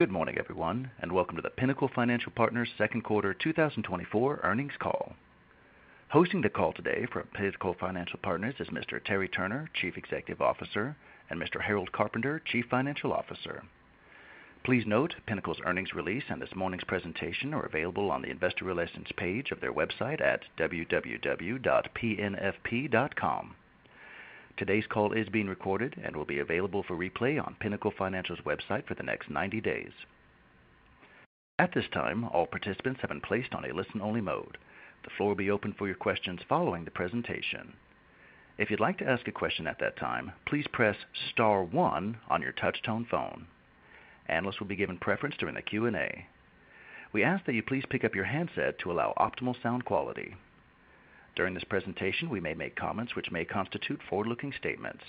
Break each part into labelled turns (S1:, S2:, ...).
S1: Good morning, everyone, and welcome to the Pinnacle Financial Partners Q2 2024 earnings call. Hosting the call today from Pinnacle Financial Partners is Mr. Terry Turner, Chief Executive Officer, and Mr. Harold Carpenter, Chief Financial Officer. Please note, Pinnacle's earnings release and this morning's presentation are available on the investor relations page of their website at www.pnfp.com. Today's call is being recorded and will be available for replay on Pinnacle Financial's website for the next 90 days. At this time, all participants have been placed on a listen-only mode. The floor will be open for your questions following the presentation. If you'd like to ask a question at that time, please press star one on your touch-tone phone. Analysts will be given preference during the Q&A. We ask that you please pick up your handset to allow optimal sound quality. During this presentation, we may make comments which may constitute forward-looking statements.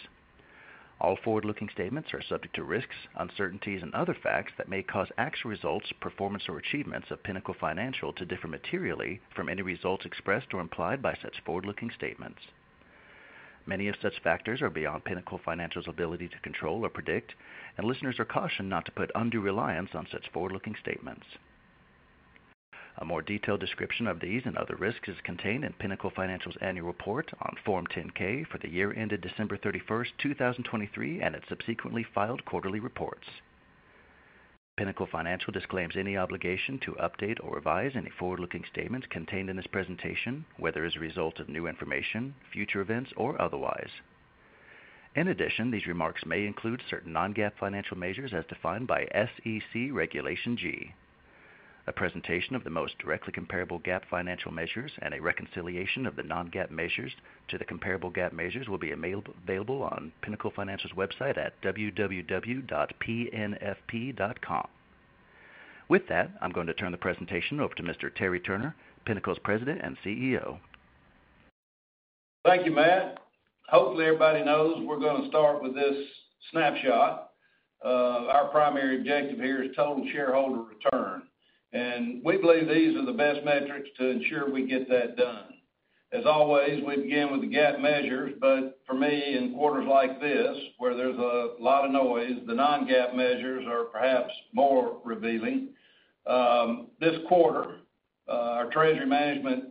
S1: All forward-looking statements are subject to risks, uncertainties, and other facts that may cause actual results, performance, or achievements of Pinnacle Financial Partners to differ materially from any results expressed or implied by such forward-looking statements. Many of such factors are beyond Pinnacle Financial Partners's ability to control or predict, and listeners are cautioned not to put undue reliance on such forward-looking statements. A more detailed description of these and other risks is contained in Pinnacle Financial Partners's annual report on Form 10-K for the year ended December 31, 2023, and its subsequently filed quarterly reports. Pinnacle Financial Partners disclaims any obligation to update or revise any forward-looking statements contained in this presentation, whether as a result of new information, future events, or otherwise. In addition, these remarks may include certain non-GAAP financial measures as defined by SEC Regulation G. A presentation of the most directly comparable GAAP financial measures and a reconciliation of the non-GAAP measures to the comparable GAAP measures will be available on Pinnacle Financial's website at www.pnfp.com. With that, I'm going to turn the presentation over to Mr. Terry Turner, Pinnacle's President and CEO.
S2: Thank you, Matt. Hopefully, everybody knows we're gonna start with this snapshot. Our primary objective here is total shareholder return, and we believe these are the best metrics to ensure we get that done. As always, we begin with the GAAP measures, but for me, in quarters like this, where there's a lot of noise, the non-GAAP measures are perhaps more revealing. This quarter, our treasury management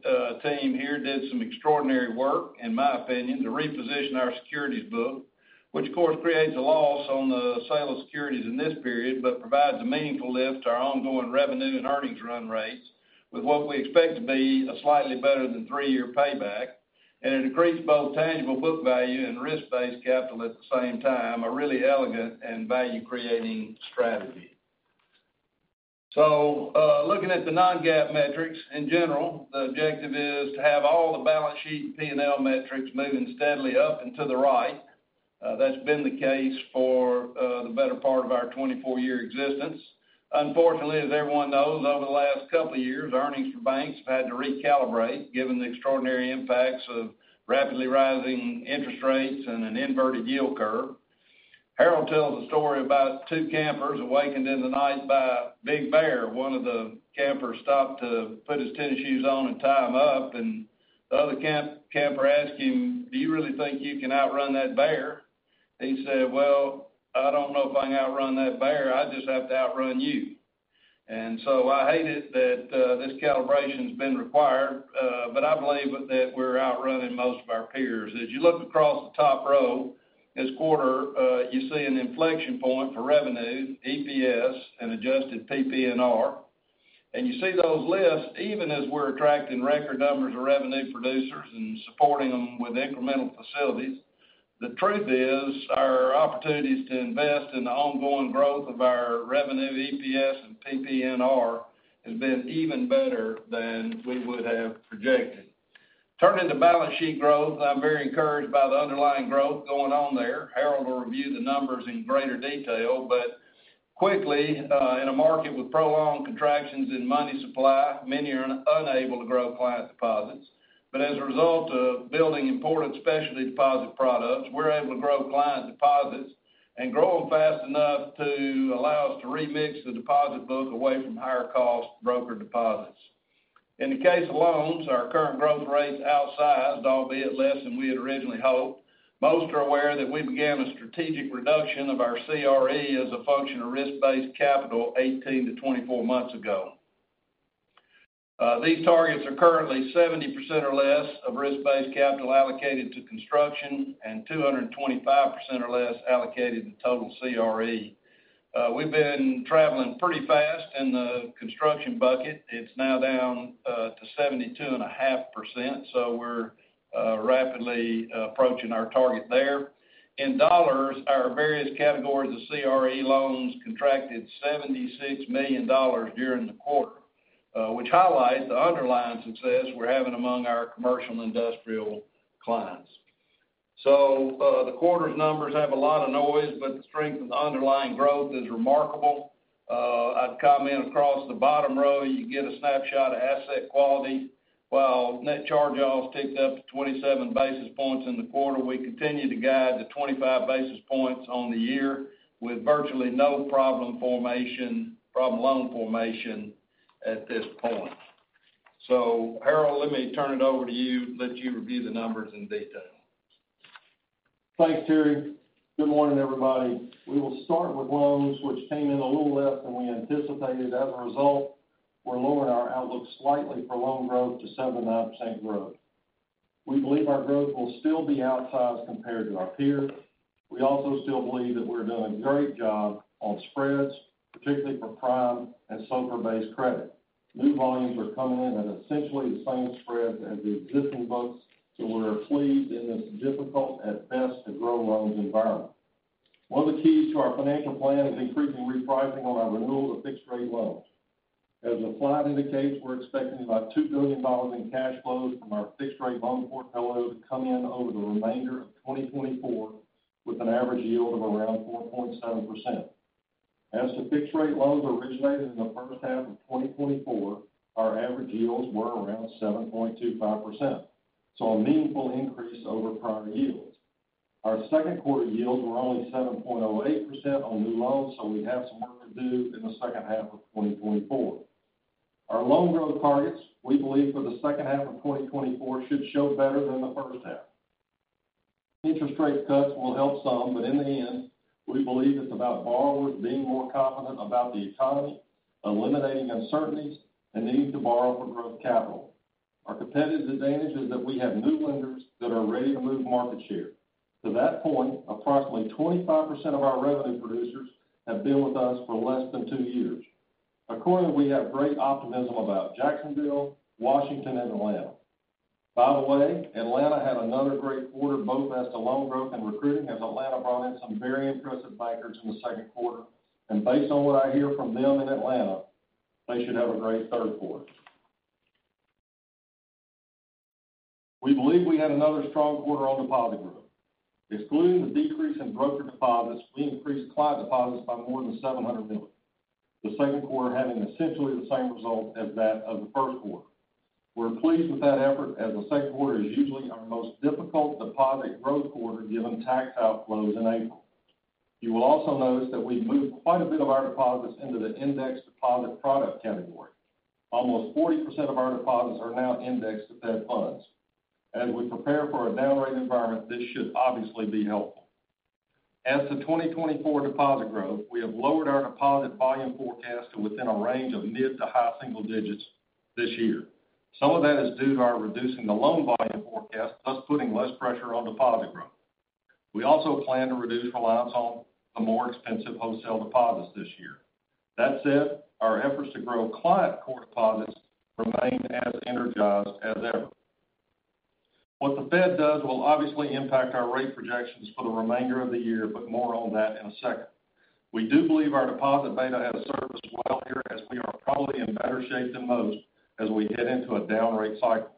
S2: team here did some extraordinary work, in my opinion, to reposition our securities book, which, of course, creates a loss on the sale of securities in this period, but provides a meaningful lift to our ongoing revenue and earnings run rates with what we expect to be a slightly better than 3-year payback, and it increased both tangible book value and risk-based capital at the same time, a really elegant and value-creating strategy. Looking at the non-GAAP metrics, in general, the objective is to have all the balance sheet P&L metrics moving steadily up and to the right. That's been the case for the better part of our 24-year existence. Unfortunately, as everyone knows, over the last couple of years, earnings for banks have had to recalibrate, given the extraordinary impacts of rapidly rising interest rates and an inverted yield curve. Harold tells a story about two campers awakened in the night by a big bear. One of the campers stopped to put his tennis shoes on and tie them up, and the other camper asked him: "Do you really think you can outrun that bear?" He said, "Well, I don't know if I can outrun that bear. I just have to outrun you." And so I hate it that this calibration's been required, but I believe that we're outrunning most of our peers. As you look across the top row, this quarter, you see an inflection point for revenue, EPS, and adjusted PPNR, and you see those lifts even as we're attracting record numbers of revenue producers and supporting them with incremental facilities. The truth is, our opportunities to invest in the ongoing growth of our revenue, EPS, and PPNR has been even better than we would have projected. Turning to balance sheet growth, I'm very encouraged by the underlying growth going on there. Harold will review the numbers in greater detail, but quickly, in a market with prolonged contractions in money supply, many are unable to grow client deposits. But as a result of building important specialty deposit products, we're able to grow client deposits and grow them fast enough to allow us to remix the deposit book away from higher-cost broker deposits. In the case of loans, our current growth rates outsized, albeit less than we had originally hoped. Most are aware that we began a strategic reduction of our CRE as a function of risk-based capital 18-24 months ago. These targets are currently 70% or less of risk-based capital allocated to construction and 225% or less allocated to total CRE. We've been traveling pretty fast in the construction bucket. It's now down to 72.5%, so we're rapidly approaching our target there. In dollars, our various categories of CRE loans contracted $76 million during the quarter, which highlights the underlying success we're having among our commercial and industrial clients. So, the quarter's numbers have a lot of noise, but the strength of underlying growth is remarkable. I'd comment across the bottom row, you get a snapshot of asset quality. While net charge-offs ticked up to 27 basis points in the quarter, we continue to guide the 25 basis points on the year, with virtually no problem loan formation at this point. So Harold, let me turn it over to you, let you review the numbers in detail....
S3: Thanks, Terry. Good morning, everybody. We will start with loans, which came in a little less than we anticipated. As a result, we're lowering our outlook slightly for loan growth to 7%-9% growth. We believe our growth will still be outsized compared to our peers. We also still believe that we're doing a great job on spreads, particularly for prime and SOFR-based credit. New volumes are coming in at essentially the same spreads as the existing books, so we're pleased in this difficult, at best, to grow loans environment. One of the keys to our financial plan is increasing repricing on our renewal of fixed-rate loans. As the slide indicates, we're expecting about $2 billion in cash flows from our fixed-rate loan portfolio to come in over the remainder of 2024, with an average yield of around 4.7%. As to fixed-rate loans originated in the first half of 2024, our average yields were around 7.25%, so a meaningful increase over prior yields. Our Q2 yields were only 7.08% on new loans, so we have some work to do in the second half of 2024. Our loan growth targets, we believe for the second half of 2024, should show better than the first half. Interest rate cuts will help some, but in the end, we believe it's about borrowers being more confident about the economy, eliminating uncertainties, and needing to borrow for growth capital. Our competitive advantage is that we have new lenders that are ready to move market share. To that point, approximately 25% of our revenue producers have been with us for less than two years. Accordingly, we have great optimism about Jacksonville, Washington, and Atlanta. By the way, Atlanta had another great quarter, both as to loan growth and recruiting, as Atlanta brought in some very impressive bankers in the Q2. And based on what I hear from them in Atlanta, they should have a great Q3. We believe we had another strong quarter on deposit growth. Excluding the decrease in broker deposits, we increased client deposits by more than $700 million, the Q2 having essentially the same result as that of the Q1. We're pleased with that effort, as the Q2 is usually our most difficult deposit growth quarter, given tax outflows in April. You will also notice that we moved quite a bit of our deposits into the index deposit product category. Almost 40% of our deposits are now indexed to Fed funds. As we prepare for a down rate environment, this should obviously be helpful. As to 2024 deposit growth, we have lowered our deposit volume forecast to within a range of mid to high single digits this year. Some of that is due to our reducing the loan volume forecast, thus putting less pressure on deposit growth. We also plan to reduce reliance on the more expensive wholesale deposits this year. That said, our efforts to grow client core deposits remain as energized as ever. What the Fed does will obviously impact our rate projections for the remainder of the year, but more on that in a second. We do believe our deposit beta has served us well here, as we are probably in better shape than most as we head into a down rate cycle.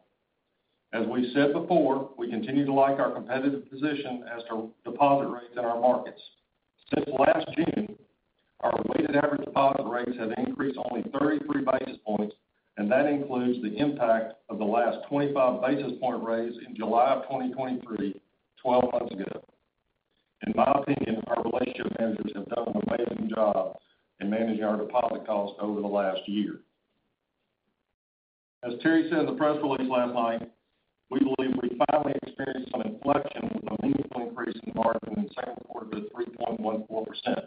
S3: As we've said before, we continue to like our competitive position as to deposit rates in our markets. Since last June, our weighted average deposit rates have increased only 33 basis points, and that includes the impact of the last 25 basis point raise in July of 2023, twelve months ago. In my opinion, our relationship managers have done an amazing job in managing our deposit costs over the last year. As Terry said in the press release last night, we believe we finally experienced some inflection with a meaningful increase in margin in the Q2 to 3.14%.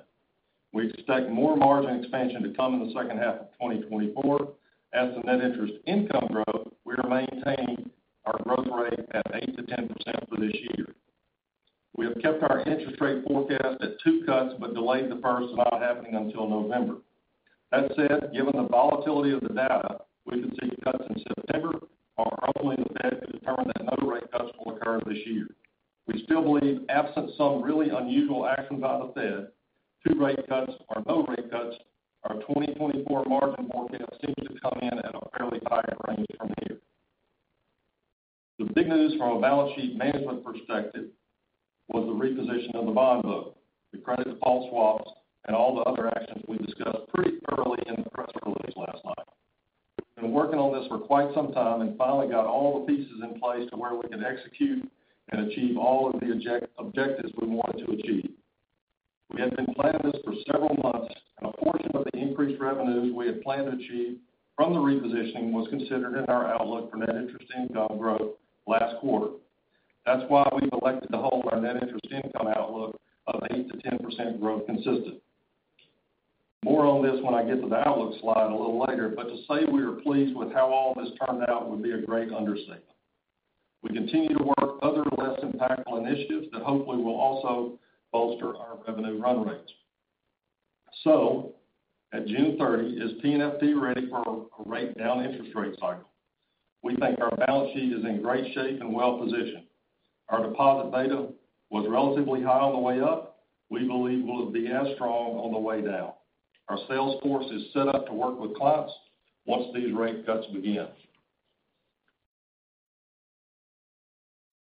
S3: We expect more margin expansion to come in the second half of 2024. As to net interest income growth, we are maintaining our growth rate at 8%-10% for this year. We have kept our interest rate forecast at two cuts, but delayed the first not happening until November. That said, given the volatility of the data, we could see cuts in September, or hopefully, the Fed could determine that no rate cuts will occur this year. We still believe, absent some really unusual action by the Fed, two rate cuts or no rate cuts, our 2024 margin forecast seems to come in at a fairly tight range from here. The big news from a balance sheet management perspective was the reposition of the bond book, the credit default swaps, and all the other actions we discussed pretty early in the press release last night. Been working on this for quite some time and finally got all the pieces in place to where we can execute and achieve all of the objectives we wanted to achieve. We had been planning this for several months, and a portion of the increased revenues we had planned to achieve from the repositioning was considered in our outlook for net interest income growth last quarter. That's why we've elected to hold our net interest income outlook of 8%-10% growth consistent. More on this when I get to the outlook slide a little later, but to say we are pleased with how all this turned out would be a great understatement. We continue to work other less impactful initiatives that hopefully will also bolster our revenue run rates. So at June 30, is PNFP ready for a rate down interest rate cycle? We think our balance sheet is in great shape and well-positioned. Our deposit beta was relatively high on the way up. We believe will it be as strong on the way down. Our sales force is set up to work with clients once these rate cuts begin.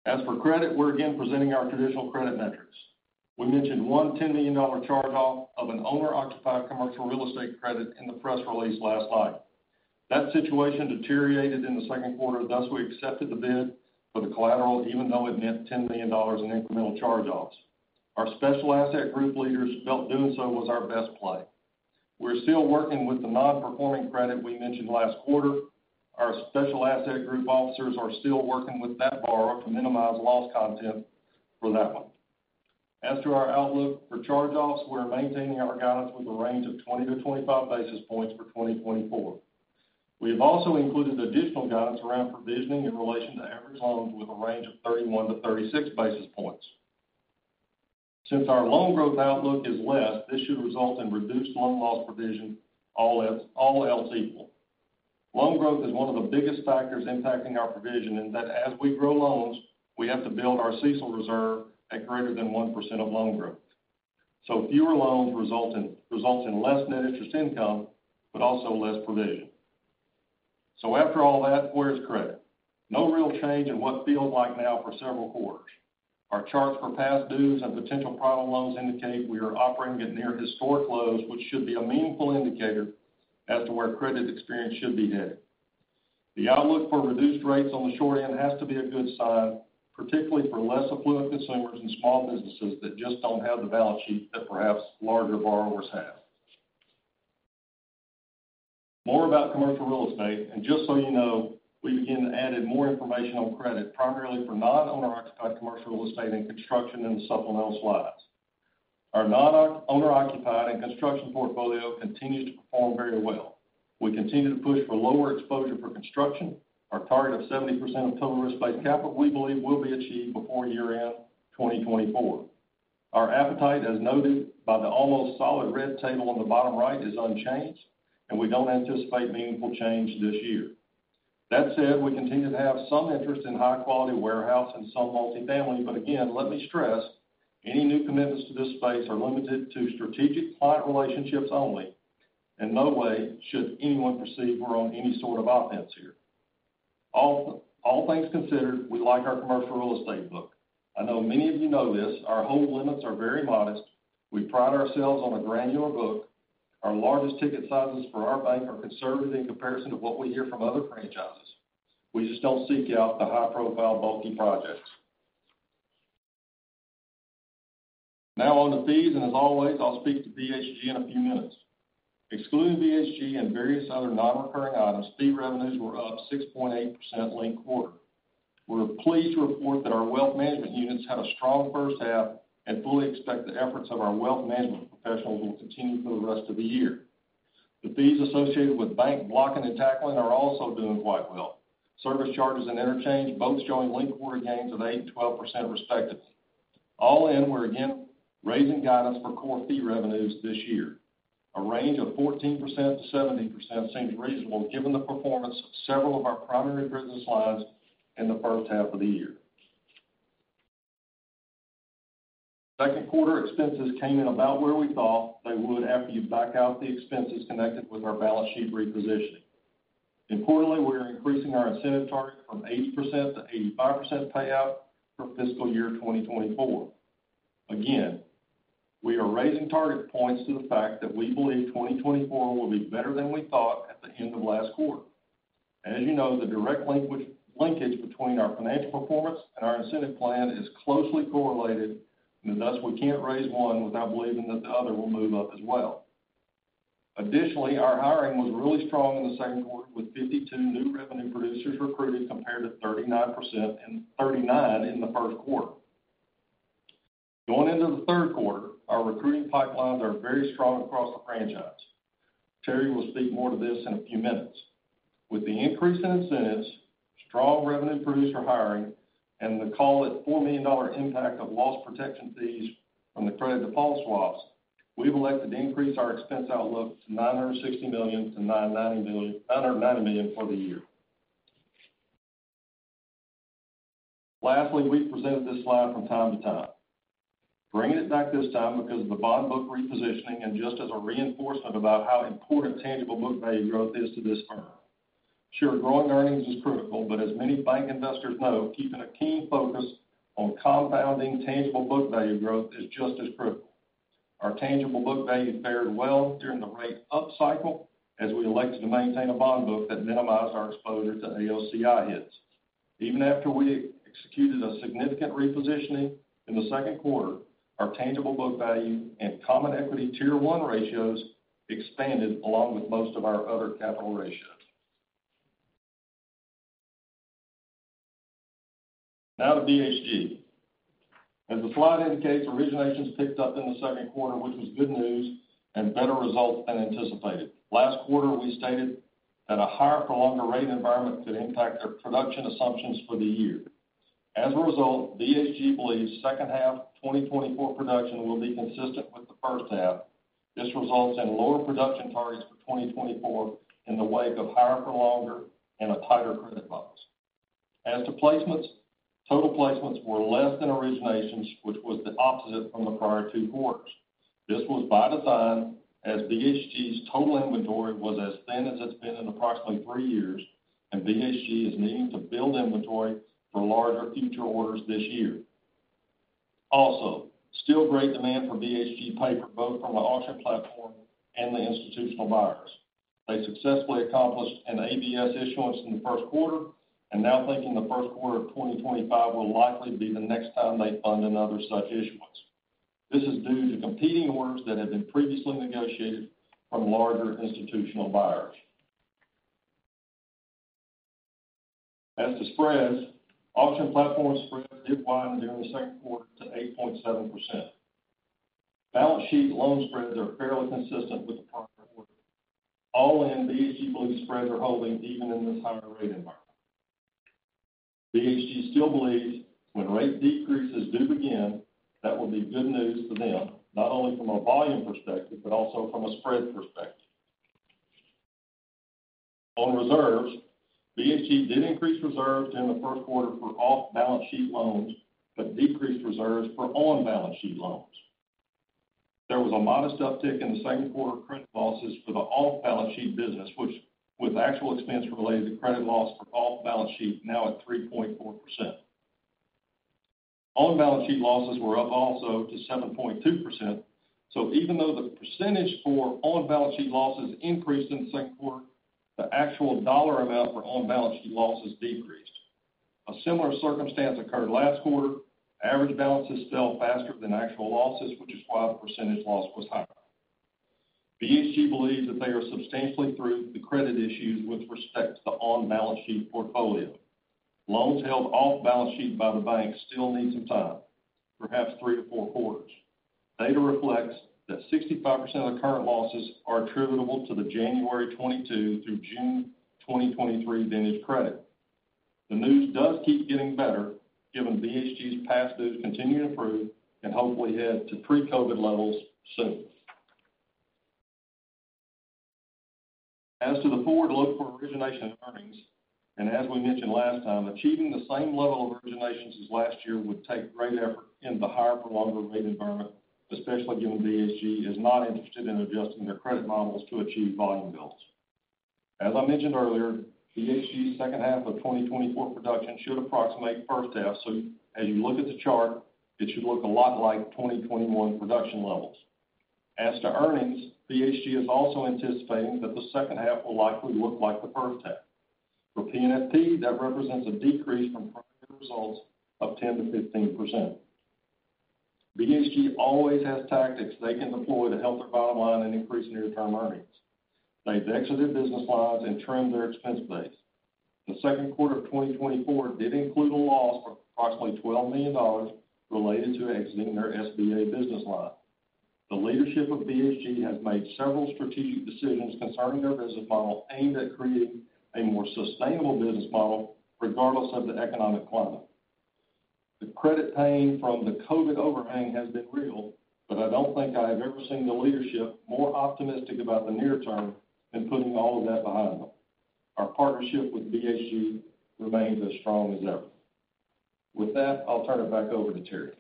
S3: As for credit, we're again presenting our traditional credit metrics. We mentioned one $10 million charge-off of an owner-occupied commercial real estate credit in the press release last night. That situation deteriorated in the Q2, thus, we accepted the bid for the collateral, even though it meant $10 million in incremental charge-offs. Our special asset group leaders felt doing so was our best play... We're still working with the non-performing credit we mentioned last quarter. Our special asset group officers are still working with that borrower to minimize loss content for that one. As to our outlook for charge-offs, we're maintaining our guidance with a range of 20-25 basis points for 2024. We have also included additional guidance around provisioning in relation to average loans with a range of 31-36 basis points. Since our loan growth outlook is less, this should result in reduced loan loss provision, all else, all else equal. Loan growth is one of the biggest factors impacting our provision, in that as we grow loans, we have to build our CECL reserve at greater than 1% of loan growth. So fewer loans result in, results in less net interest income, but also less provision. So after all that, where's credit? No real change in what feels like now for several quarters. Our charts for past dues and potential problem loans indicate we are operating at near historic lows, which should be a meaningful indicator as to where credit experience should be headed. The outlook for reduced rates on the short end has to be a good sign, particularly for less affluent consumers and small businesses that just don't have the balance sheet that perhaps larger borrowers have. More about commercial real estate, and just so you know, we again added more information on credit, primarily for non-owner occupied commercial real estate and construction in the supplemental slides. Our non-owner occupied and construction portfolio continues to perform very well. We continue to push for lower exposure for construction. Our target of 70% of total real estate capital, we believe, will be achieved before year-end 2024. Our appetite, as noted by the almost solid red table on the bottom right, is unchanged, and we don't anticipate meaningful change this year. That said, we continue to have some interest in high-quality warehouse and some multifamily, but again, let me stress, any new commitments to this space are limited to strategic client relationships only, and no way should anyone perceive we're on any sort of offense here. All, all things considered, we like our commercial real estate book. I know many of you know this, our hold limits are very modest. We pride ourselves on a granular book. Our largest ticket sizes for our bank are conservative in comparison to what we hear from other franchises. We just don't seek out the high-profile, bulky projects. Now on to fees, and as always, I'll speak to BHG in a few minutes. Excluding BHG and various other non-recurring items, fee revenues were up 6.8% linked quarter. We're pleased to report that our wealth management units had a strong first half, and fully expect the efforts of our wealth management professionals will continue for the rest of the year. The fees associated with bank blocking and tackling are also doing quite well. Service charges and interchange, both showing linked-quarter gains of 8% and 12%, respectively. All in, we're again raising guidance for core fee revenues this year. A range of 14%-17% seems reasonable, given the performance of several of our primary business lines in the first half of the year. Second quarter expenses came in about where we thought they would, after you back out the expenses connected with our balance sheet repositioning. Importantly, we are increasing our incentive target from 80% to 85% payout for fiscal year 2024. Again, we are raising target points to the fact that we believe 2024 will be better than we thought at the end of last quarter. As you know, the direct linkage between our financial performance and our incentive plan is closely correlated, and thus, we can't raise one without believing that the other will move up as well. Additionally, our hiring was really strong in the Q2, with 52 new revenue producers recruited compared to 39 in the Q1. Going into the Q3, our recruiting pipelines are very strong across the franchise. Terry will speak more to this in a few minutes. With the increase in incentives, strong revenue producer hiring, and the call it $4 million impact of loss protection fees from the credit default swaps, we've elected to increase our expense outlook to $960 million-$990 million for the year. Lastly, we've presented this slide from time to time. Bringing it back this time because of the bond book repositioning and just as a reinforcement about how important tangible book value growth is to this firm. Sure, growing earnings is critical, but as many bank investors know, keeping a keen focus on compounding tangible book value growth is just as critical. Our tangible book value fared well during the rate up cycle as we elected to maintain a bond book that minimized our exposure to AOCI hits. Even after we executed a significant repositioning in the Q2, our tangible book value and common equity tier one ratios expanded along with most of our other capital ratios. Now to BHG. As the slide indicates, originations picked up in the Q2, which was good news and better results than anticipated. Last quarter, we stated that a higher prolonged rate environment could impact our production assumptions for the year. As a result, BHG believes second half 2024 production will be consistent with the first half. This results in lower production targets for 2024 in the wake of higher for longer and a tighter credit box. As to placements, total placements were less than originations, which was the opposite from the prior two quarters. This was by design, as BHG's total inventory was as thin as it's been in approximately three years, and BHG is needing to build inventory for larger future orders this year. Also, still great demand for BHG paper, both from the auction platform and the institutional buyers. They successfully accomplished an ABS issuance in the Q1, and now thinking the Q1 of 2025 will likely be the next time they fund another such issuance. This is due to competing orders that have been previously negotiated from larger institutional buyers. As to spreads, auction platform spreads did widen during the Q2 to 8.7%. Balance sheet loan spreads are fairly consistent with the prior quarter. All in, BHG believes spreads are holding even in this higher rate environment. BHG still believes when rate decreases do begin, that will be good news for them, not only from a volume perspective, but also from a spread perspective. On reserves, BHG did increase reserves in the Q1 for off-balance sheet loans, but decreased reserves for on-balance sheet loans. There was a modest uptick in the Q2 credit losses for the off-balance sheet business, which, with actual expense related to credit loss for off-balance sheet now at 3.4%. On-balance sheet losses were up also to 7.2%, so even though the percentage for on-balance sheet losses increased in the Q2, the actual dollar amount for on-balance sheet losses decreased. A similar circumstance occurred last quarter. Average balances fell faster than actual losses, which is why the percentage loss was higher. BHG believes that they are substantially through the credit issues with respect to the on-balance sheet portfolio. Loans held off-balance sheet by the bank still need some time, perhaps 3-4 quarters. Data reflects that 65% of the current losses are attributable to the January 2022 through June 2023 vintage credit. The news does keep getting better, given BHG's past dues continue to improve and hopefully head to pre-COVID levels soon. As to the forward look for origination and earnings, and as we mentioned last time, achieving the same level of originations as last year would take great effort in the higher for longer rate environment, especially given BHG is not interested in adjusting their credit models to achieve volume builds. As I mentioned earlier, BHG's second half of 2024 production should approximate first half. As you look at the chart, it should look a lot like 2021 production levels. As to earnings, BHG is also anticipating that the second half will likely look like the first half. For PNFP, that represents a decrease from current year results of 10%-15%. BHG always has tactics they can deploy to help their bottom line and increase near-term earnings. They've exited business lines and trimmed their expense base. The Q2 of 2024 did include a loss of approximately $12 million related to exiting their SBA business line. The leadership of BHG has made several strategic decisions concerning their business model aimed at creating a more sustainable business model, regardless of the economic climate. The credit pain from the COVID overhang has been real, but I don't think I have ever seen the leadership more optimistic about the near term than putting all of that behind them. Our partnership with BHG remains as strong as ever. With that, I'll turn it back over to Terry.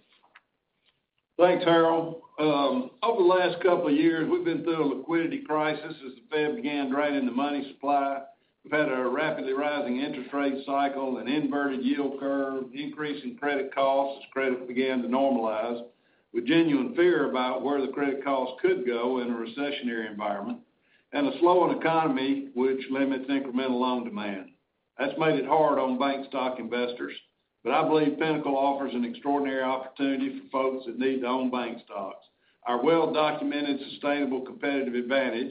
S2: Thanks, Harold. Over the last couple of years, we've been through a liquidity crisis as the Fed began draining the money supply. We've had a rapidly rising interest rate cycle, an inverted yield curve, increase in credit costs as credit began to normalize, with genuine fear about where the credit costs could go in a recessionary environment, and a slowing economy, which limits incremental loan demand. That's made it hard on bank stock investors, but I believe Pinnacle offers an extraordinary opportunity for folks that need to own bank stocks. Our well-documented, sustainable competitive advantage,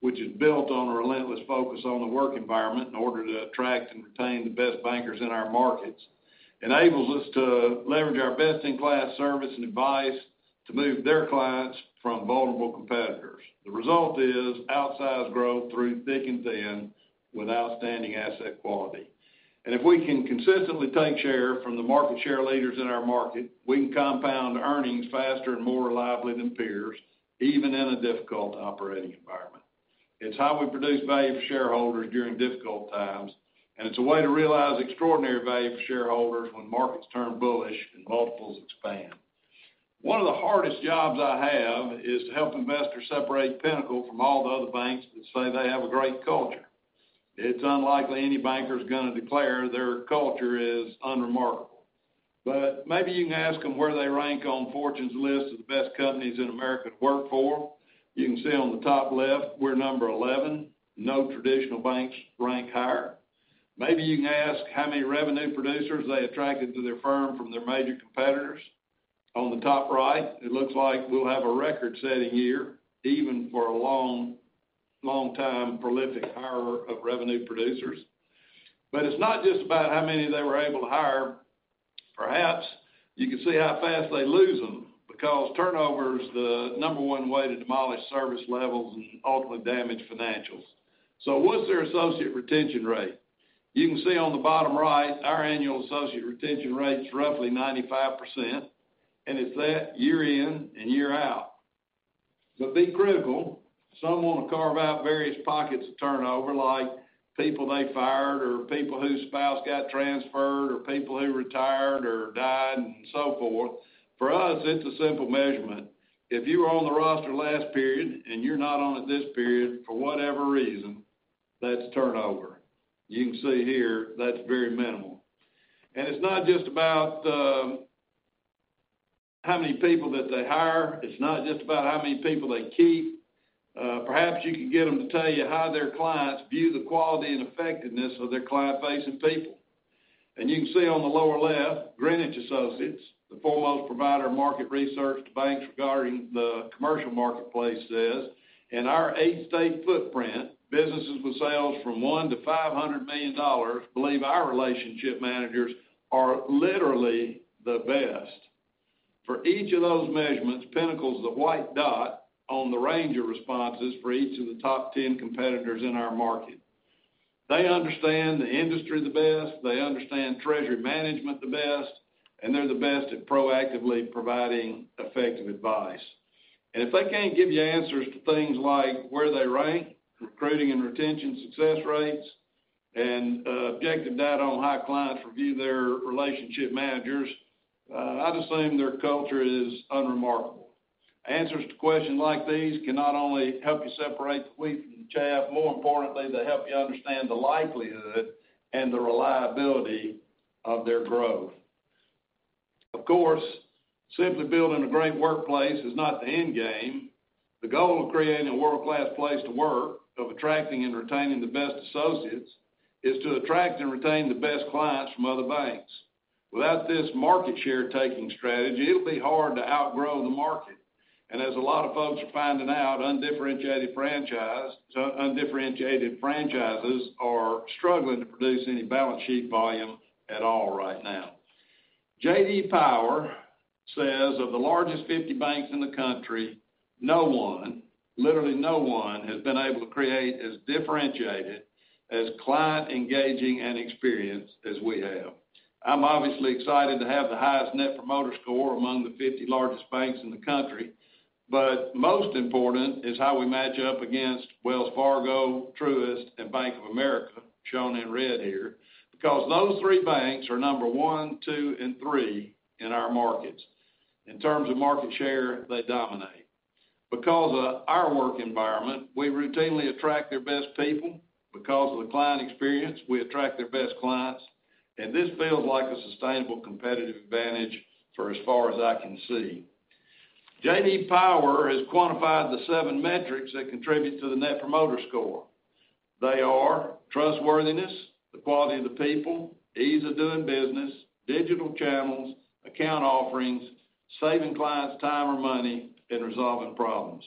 S2: which is built on a relentless focus on the work environment in order to attract and retain the best bankers in our markets, enables us to leverage our best-in-class service and advice to move their clients from vulnerable competitors. The result is outsized growth through thick and thin with outstanding asset quality. If we can consistently take share from the market share leaders in our market, we can compound earnings faster and more reliably than peers, even in a difficult operating environment. It's how we produce value for shareholders during difficult times, and it's a way to realize extraordinary value for shareholders when markets turn bullish and multiples expand. One of the hardest jobs I have is to help investors separate Pinnacle from all the other banks that say they have a great culture. It's unlikely any banker is going to declare their culture is unremarkable, but maybe you can ask them where they rank on Fortune's list of the best companies in America to work for. You can see on the top left, we're number 11. No traditional banks rank higher. Maybe you can ask how many revenue producers they attracted to their firm from their major competitors. On the top right, it looks like we'll have a record-setting year, even for a long, long time prolific hirer of revenue producers. But it's not just about how many they were able to hire. Perhaps you can see how fast they lose them, because turnover is the number one way to demolish service levels and ultimately damage financials. So what's their associate retention rate? You can see on the bottom right, our annual associate retention rate is roughly 95%, and it's that year in and year out. But be critical, some want to carve out various pockets of turnover, like people they fired, or people whose spouse got transferred, or people who retired or died, and so forth. For us, it's a simple measurement. If you were on the roster last period and you're not on it this period, for whatever reason, that's turnover. You can see here, that's very minimal. And it's not just about how many people that they hire, it's not just about how many people they keep. Perhaps you can get them to tell you how their clients view the quality and effectiveness of their client-facing people. And you can see on the lower left, Greenwich Associates, the foremost provider of market research to banks regarding the commercial marketplace, says, "In our eight-state footprint, businesses with sales from $1-$500 million believe our relationship managers are literally the best." For each of those measurements, Pinnacle's the white dot on the range of responses for each of the top 10 competitors in our market. They understand the industry the best, they understand treasury management the best, and they're the best at proactively providing effective advice. If they can't give you answers to things like where they rank, recruiting and retention success rates, and objective data on how clients review their relationship managers, I'd assume their culture is unremarkable. Answers to questions like these can not only help you separate the wheat from the chaff, more importantly, they help you understand the likelihood and the reliability of their growth. Of course, simply building a great workplace is not the end game. The goal of creating a world-class place to work, of attracting and retaining the best associates, is to attract and retain the best clients from other banks. Without this market share taking strategy, it'll be hard to outgrow the market. And as a lot of folks are finding out, undifferentiated franchise, so undifferentiated franchises are struggling to produce any balance sheet volume at all right now. J.D. Power says, of the largest 50 banks in the country, no one, literally no one, has been able to create as differentiated, as client-engaging an experience as we have. I'm obviously excited to have the highest Net Promoter Score among the 50 largest banks in the country, but most important is how we match up against Wells Fargo, Truist, and Bank of America, shown in red here, because those three banks are number one, two, and three in our markets. In terms of market share, they dominate. Because of our work environment, we routinely attract their best people. Because of the client experience, we attract their best clients, and this feels like a sustainable competitive advantage for as far as I can see. J.D. Power has quantified the seven metrics that contribute to the Net Promoter Score. They are trustworthiness, the quality of the people, ease of doing business, digital channels, account offerings, saving clients time or money, and resolving problems.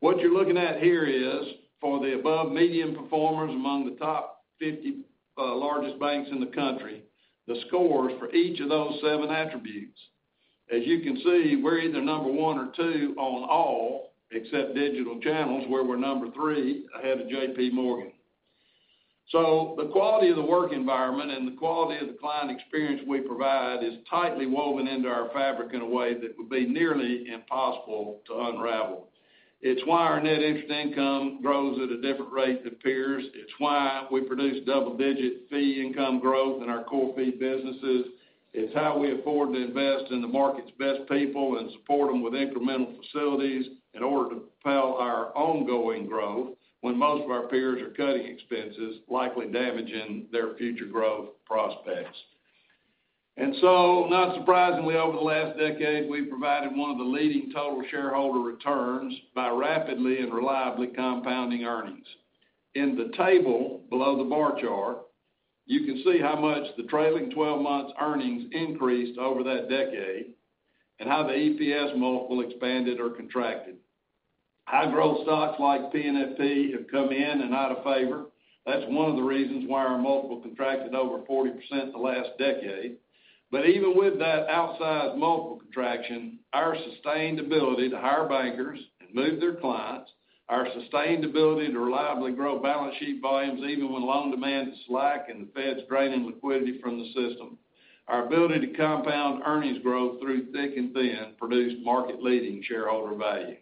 S2: What you're looking at here is, for the above medium performers among the top 50, largest banks in the country, the scores for each of those seven attributes. As you can see, we're either number 1 or 2 on all, except digital channels, where we're number 3, ahead of J.P. Morgan. So the quality of the work environment and the quality of the client experience we provide is tightly woven into our fabric in a way that would be nearly impossible to unravel. It's why our net interest income grows at a different rate than peers. It's why we produce double-digit fee income growth in our core fee businesses. It's how we afford to invest in the market's best people and support them with incremental facilities in order to propel our ongoing growth, when most of our peers are cutting expenses, likely damaging their future growth prospects. And so, not surprisingly, over the last decade, we've provided one of the leading total shareholder returns by rapidly and reliably compounding earnings. In the table below the bar chart, you can see how much the trailing twelve months earnings increased over that decade, and how the EPS multiple expanded or contracted. High-growth stocks like PNFP have come in and out of favor. That's one of the reasons why our multiple contracted over 40% in the last decade. But even with that outsized multiple contraction, our sustained ability to hire bankers and move their clients, our sustained ability to reliably grow balance sheet volumes, even when loan demand is slack and the Fed's draining liquidity from the system, our ability to compound earnings growth through thick and thin, produced market-leading shareholder value.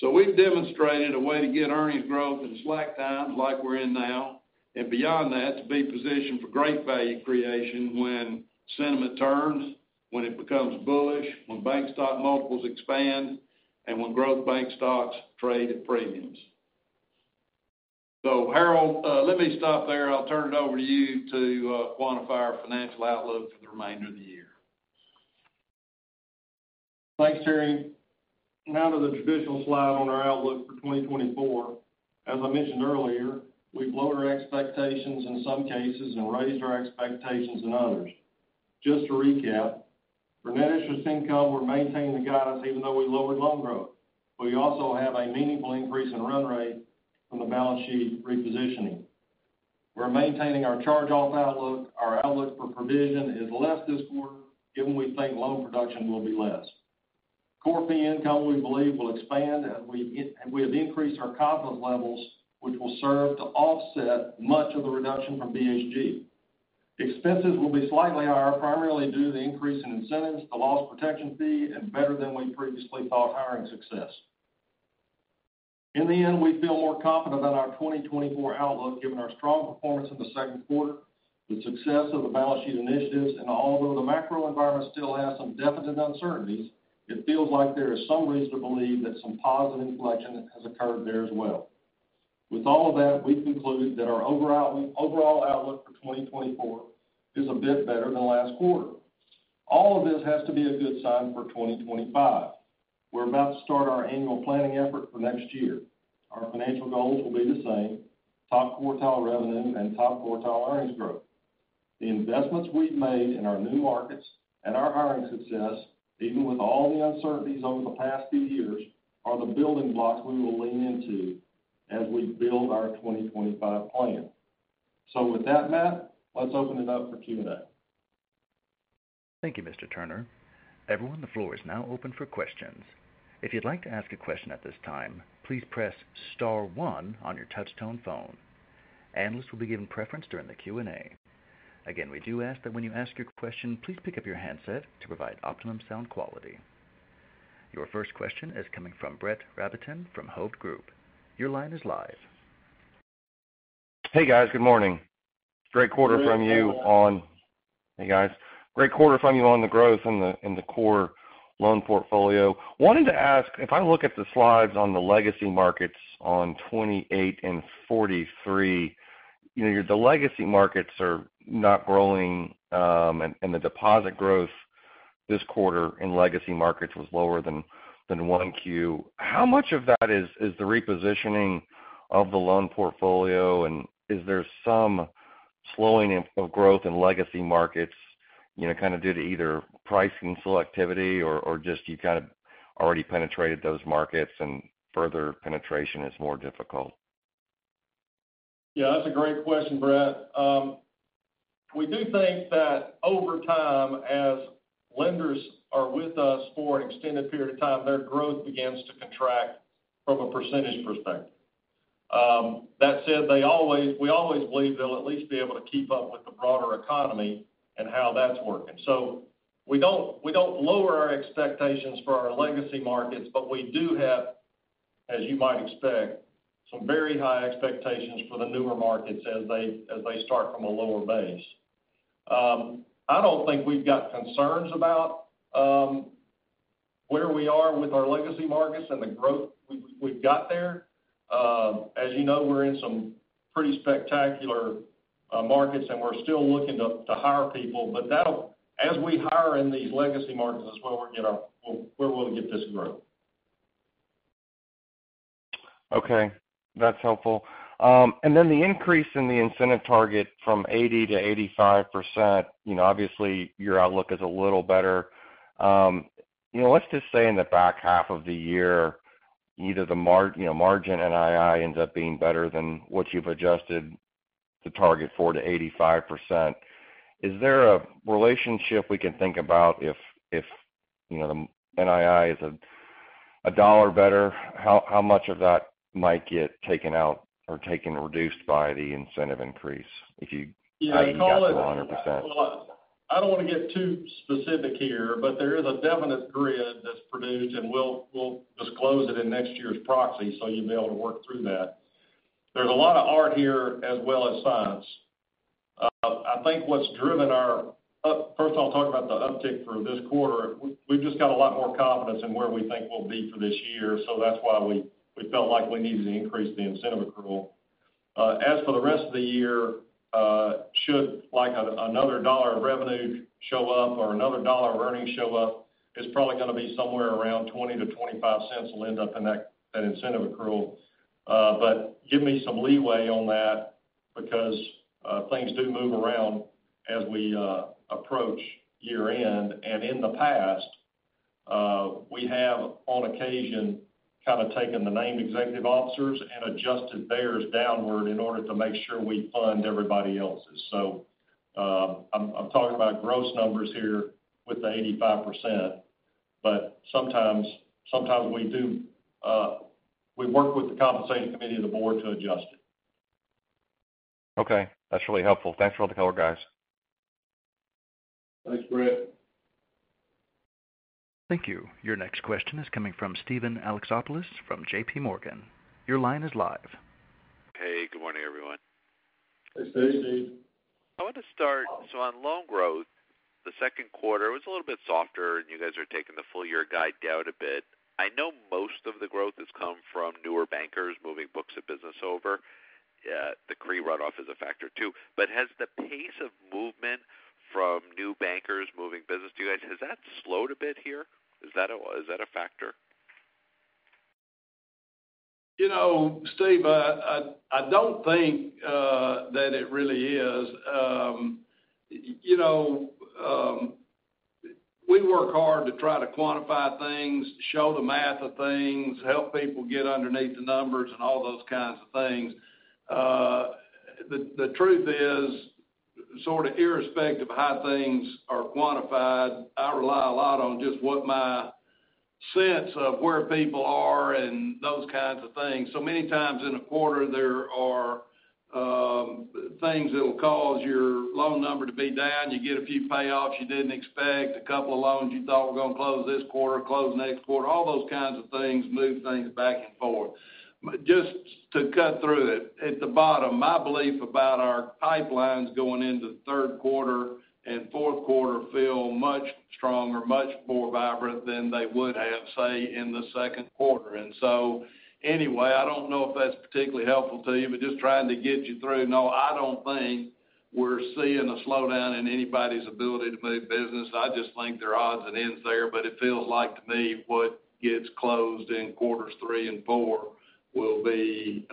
S2: So we've demonstrated a way to get earnings growth in slack times, like we're in now, and beyond that, to be positioned for great value creation when sentiment turns, when it becomes bullish, when bank stock multiples expand, and when growth bank stocks trade at premiums. So Harold, let me stop there. I'll turn it over to you to quantify our financial outlook for the remainder of the year.
S3: Thanks, Terry. Now to the traditional slide on our outlook for 2024. As I mentioned earlier, we've lowered our expectations in some cases and raised our expectations in others. Just to recap, for net interest income, we're maintaining the guidance even though we lowered loan growth. We also have a meaningful increase in run rate from the balance sheet repositioning. We're maintaining our charge-off outlook. Our outlook for provision is less this quarter, given we think loan production will be less. Core fee income, we believe, will expand, and we- we have increased our COF levels, which will serve to offset much of the reduction from BHG. Expenses will be slightly higher, primarily due to the increase in incentives, the loss protection fee, and better than we previously thought, hiring success. In the end, we feel more confident about our 2024 outlook, given our strong performance in the Q2, the success of the balance sheet initiatives, and although the macro environment still has some definite uncertainties, it feels like there is some reason to believe that some positive inflection has occurred there as well... With all of that, we've concluded that our overall, overall outlook for 2024 is a bit better than last quarter. All of this has to be a good sign for 2025. We're about to start our annual planning effort for next year. Our financial goals will be the same, top quartile revenue and top quartile earnings growth. The investments we've made in our new markets and our hiring success, even with all the uncertainties over the past few years, are the building blocks we will lean into as we build our 2025 plan. With that, Matt, let's open it up for Q&A.
S1: Thank you, Mr. Turner. Everyone, the floor is now open for questions. If you'd like to ask a question at this time, please press star one on your touchtone phone. Analysts will be given preference during the Q&A. Again, we do ask that when you ask your question, please pick up your handset to provide optimum sound quality. Your first question is coming from Brett Rabatin from Hovde Group. Your line is live.
S4: Hey, guys. Good morning. Great quarter from you on-
S3: Good morning.
S4: Hey, guys. Great quarter from you on the growth in the core loan portfolio. Wanted to ask, if I look at the slides on the legacy markets on 28 and 43, you know, the legacy markets are not growing, and the deposit growth this quarter in legacy markets was lower than 1Q. How much of that is the repositioning of the loan portfolio? And is there some slowing of growth in legacy markets, you know, kind of due to either pricing selectivity or just you kind of already penetrated those markets and further penetration is more difficult?
S3: Yeah, that's a great question, Brett. We do think that over time, as lenders are with us for an extended period of time, their growth begins to contract from a percentage perspective. That said, we always believe they'll at least be able to keep up with the broader economy and how that's working. So we don't lower our expectations for our legacy markets, but we do have, as you might expect, some very high expectations for the newer markets as they start from a lower base. I don't think we've got concerns about where we are with our legacy markets and the growth we've got there. As you know, we're in some pretty spectacular markets, and we're still looking to hire people, but that'll... As we hire in these legacy markets, that's where we'll get this growth.
S4: Okay, that's helpful. And then the increase in the incentive target from 80% to 85%, you know, obviously, your outlook is a little better. You know, let's just say in the back half of the year, either the margin NII ends up being better than what you've adjusted the target for to 85%. Is there a relationship we can think about if, you know, the NII is $1 better, how much of that might get taken out or taken reduced by the incentive increase, if you-
S3: Yeah, call it-
S4: 100%.
S3: Well, I don't want to get too specific here, but there is a definite grid that's produced, and we'll disclose it in next year's proxy, so you'll be able to work through that. There's a lot of art here as well as science. I think what's driven our uptick—first of all, talk about the uptick from this quarter. We've just got a lot more confidence in where we think we'll be for this year, so that's why we felt like we needed to increase the incentive accrual. As for the rest of the year, should, like, another $1 of revenue show up or another $1 of earnings show up, it's probably going to be somewhere around $0.20-$0.25 will end up in that incentive accrual. But give me some leeway on that because things do move around as we approach year-end. And in the past, we have, on occasion, kind of taken the named executive officers and adjusted theirs downward in order to make sure we fund everybody else's. So, I'm talking about gross numbers here with the 85%, but sometimes we do work with the compensation committee of the board to adjust it.
S4: Okay. That's really helpful. Thanks for all the color, guys.
S3: Thanks, Brett.
S1: Thank you. Your next question is coming from Steven Alexopoulos from J.P. Morgan. Your line is live.
S5: Hey, good morning, everyone.
S3: Hey, Steve.
S5: I want to start, so on loan growth, the Q2 was a little bit softer, and you guys are taking the full year guide down a bit. I know most of the growth has come from newer bankers moving books of business over. Yeah, the CRE runoff is a factor, too. But has the pace of movement from new bankers moving business to you guys, has that slowed a bit here? Is that a factor?
S3: You know, Steve, I don't think that it really is. You know, we work hard to try to quantify things, show the math of things, help people get underneath the numbers and all those kinds of things. The truth is, sort of irrespective of how things are quantified, I rely a lot on just what my sense of where people are and those kinds of things. So many times in a quarter, there are things that will cause your loan number to be down. You get a few payoffs you didn't expect, a couple of loans you thought were going to close this quarter, close next quarter, all those kinds of things move things back and forth. But just to cut through it, at the bottom, my belief about our pipelines going into the Q3 and fourth quarter feel much stronger, much more vibrant than they would have, say, in the Q2. And so, anyway, I don't know if that's particularly helpful to you, but just trying to get you through. No, I don't think......
S2: we're seeing a slowdown in anybody's ability to move business. I just think there are odds and ends there, but it feels like to me, what gets closed in quarters three and four will be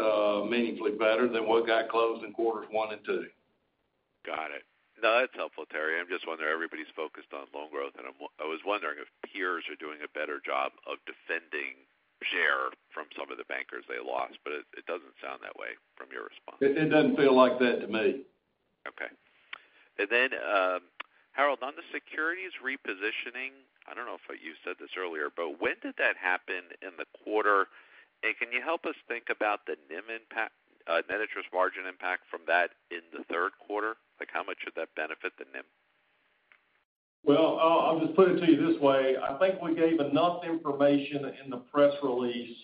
S2: meaningfully better than what got closed in quarters one and two.
S5: Got it. No, that's helpful, Terry. I'm just wondering, everybody's focused on loan growth, and I was wondering if peers are doing a better job of defending share from some of the bankers they lost, but it, it doesn't sound that way from your response.
S2: It doesn't feel like that to me.
S5: Okay. And then, Harold, on the securities repositioning, I don't know if you said this earlier, but when did that happen in the quarter? And can you help us think about the NIM impact, net interest margin impact from that in the Q3? Like, how much should that benefit the NIM?
S3: Well, I'll just put it to you this way. I think we gave enough information in the press release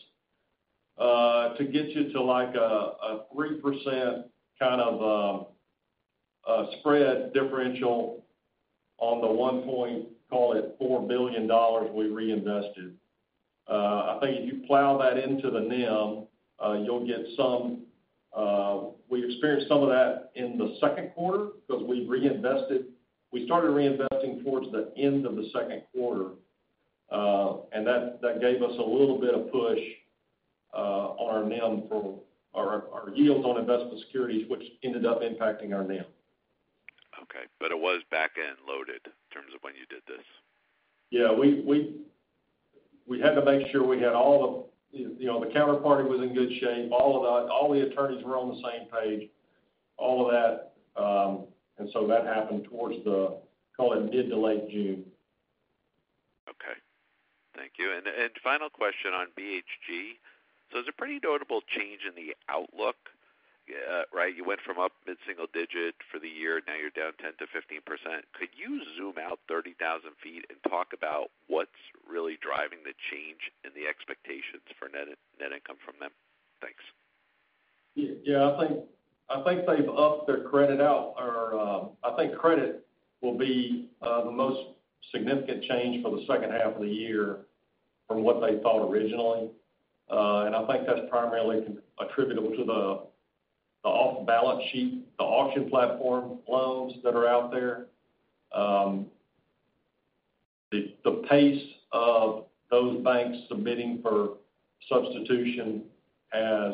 S3: to get you to, like, a 3% kind of spread differential on the 1%, call it $4 billion we reinvested. I think if you plow that into the NIM, you'll get some, we experienced some of that in the Q2, because we reinvested, we started reinvesting towards the end of the Q2, and that gave us a little bit of push on our NIM for our yields on investment securities, which ended up impacting our NIM.
S5: Okay, but it was back-end loaded in terms of when you did this?
S3: Yeah, we had to make sure we had all the, you know, the counterparty was in good shape, all the attorneys were on the same page, all of that. And so that happened towards the, call it, mid to late June.
S5: Okay. Thank you. And final question on BHG. So there's a pretty notable change in the outlook, right? You went from up mid-single digit for the year, now you're down 10%-15%. Could you zoom out 30,000 feet and talk about what's really driving the change in the expectations for net income from them? Thanks.
S3: Yeah, I think, I think they've upped their credit out, or, I think credit will be the most significant change for the second half of the year from what they thought originally. And I think that's primarily attributable to the, the off-balance sheet, the auction platform loans that are out there. The, the pace of those banks submitting for substitution has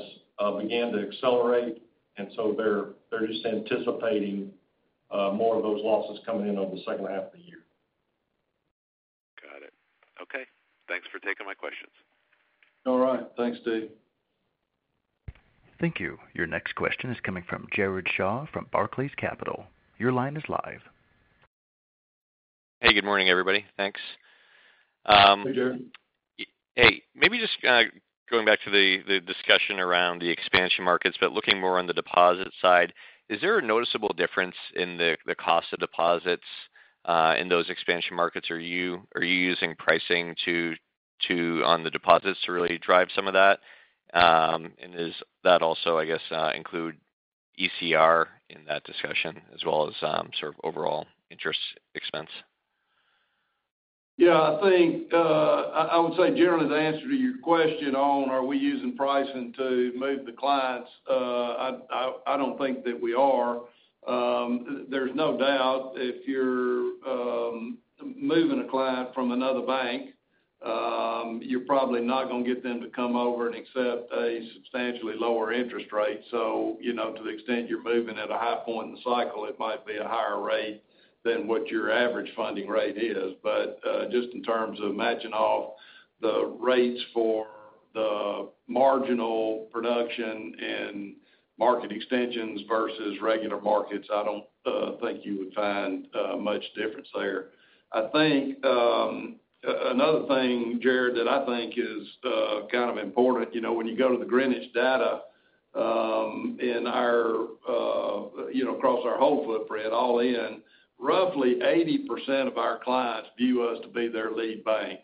S3: began to accelerate, and so they're, they're just anticipating more of those losses coming in over the second half of the year.
S5: Got it. Okay. Thanks for taking my questions.
S3: All right. Thanks, Dave.
S1: Thank you. Your next question is coming from Jared Shaw from Barclays Capital. Your line is live.
S6: Hey, good morning, everybody. Thanks-
S3: Hey, Jared.
S6: Hey, maybe just going back to the discussion around the expansion markets, but looking more on the deposit side, is there a noticeable difference in the cost of deposits in those expansion markets? Are you using pricing to on the deposits to really drive some of that? And does that also, I guess, include ECR in that discussion, as well as sort of overall interest expense?
S2: Yeah, I think I would say, Jared, as the answer to your question on, are we using pricing to move the clients? I don't think that we are. There's no doubt if you're moving a client from another bank, you're probably not gonna get them to come over and accept a substantially lower interest rate. So, you know, to the extent you're moving at a high point in the cycle, it might be a higher rate than what your average funding rate is. But just in terms of matching off the rates for the marginal production and market extensions versus regular markets, I don't think you would find much difference there. I think, another thing, Jared, that I think is kind of important, you know, when you go to the Greenwich data, in our, you know, across our whole footprint, all in, roughly 80% of our clients view us to be their lead bank.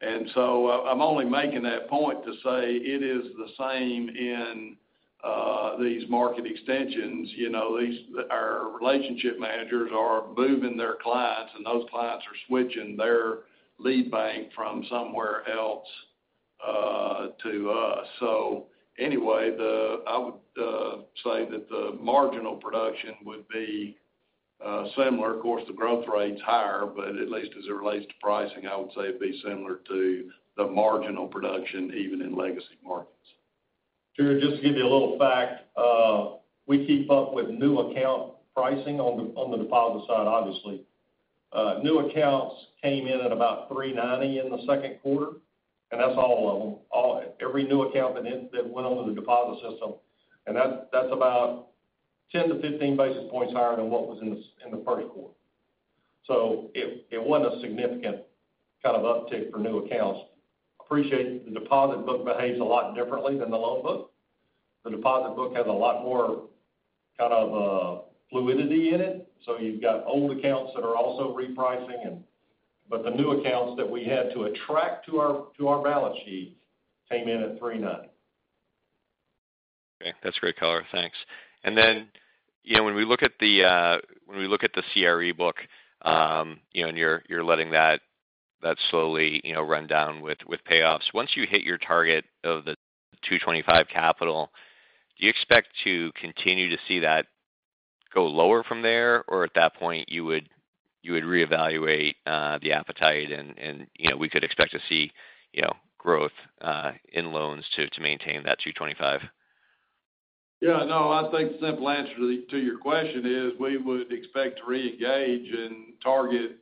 S2: And so I'm only making that point to say it is the same in these market extensions. You know, these, our relationship managers are moving their clients, and those clients are switching their lead bank from somewhere else to us. So anyway, I would say that the marginal production would be similar. Of course, the growth rate's higher, but at least as it relates to pricing, I would say it'd be similar to the marginal production, even in legacy markets.
S3: Jared, just to give you a little fact, we keep up with new account pricing on the, on the deposit side, obviously. New accounts came in at about 3.90 in the Q2, and that's all of them. Every new account that went onto the deposit system, and that's about 10-15 basis points higher than what was in the Q1. So it wasn't a significant kind of uptick for new accounts. Appreciate the deposit book behaves a lot differently than the loan book. The deposit book has a lot more kind of fluidity in it, so you've got old accounts that are also repricing and. But the new accounts that we had to attract to our, to our balance sheet came in at 3.9.
S6: Okay, that's great color. Thanks. And then, you know, when we look at the CRE book, you know, and you're letting that slowly, you know, run down with payoffs. Once you hit your target of the 2.25 capital, do you expect to continue to see that go lower from there? Or at that point, you would reevaluate the appetite and, you know, we could expect to see, you know, growth in loans to maintain that 2.25?
S3: Yeah, no, I think the simple answer to your question is, we would expect to reengage and target,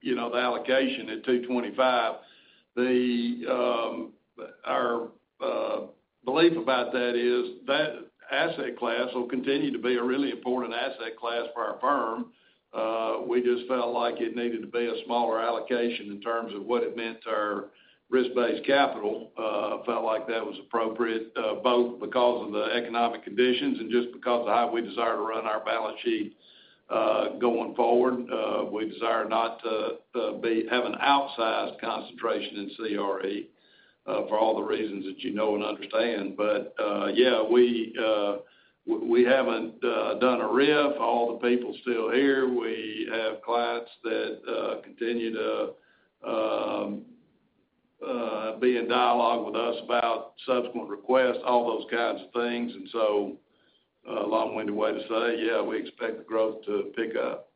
S3: you know, the allocation at 225. Our belief about that is, that asset class will continue to be a really important asset class for our firm. We just felt like it needed to be a smaller allocation in terms of what it meant to our risk-based capital. Felt like that was appropriate, both because of the economic conditions and just because of how we desire to run our balance sheet, going forward. We desire not to have an outsized concentration in CRE, for all the reasons that you know and understand. But, yeah, we haven't done a RIF. All the people still here. We have clients that continue to be in dialogue with us about subsequent requests, all those kinds of things. And so, a long-winded way to say, yeah, we expect the growth to pick up.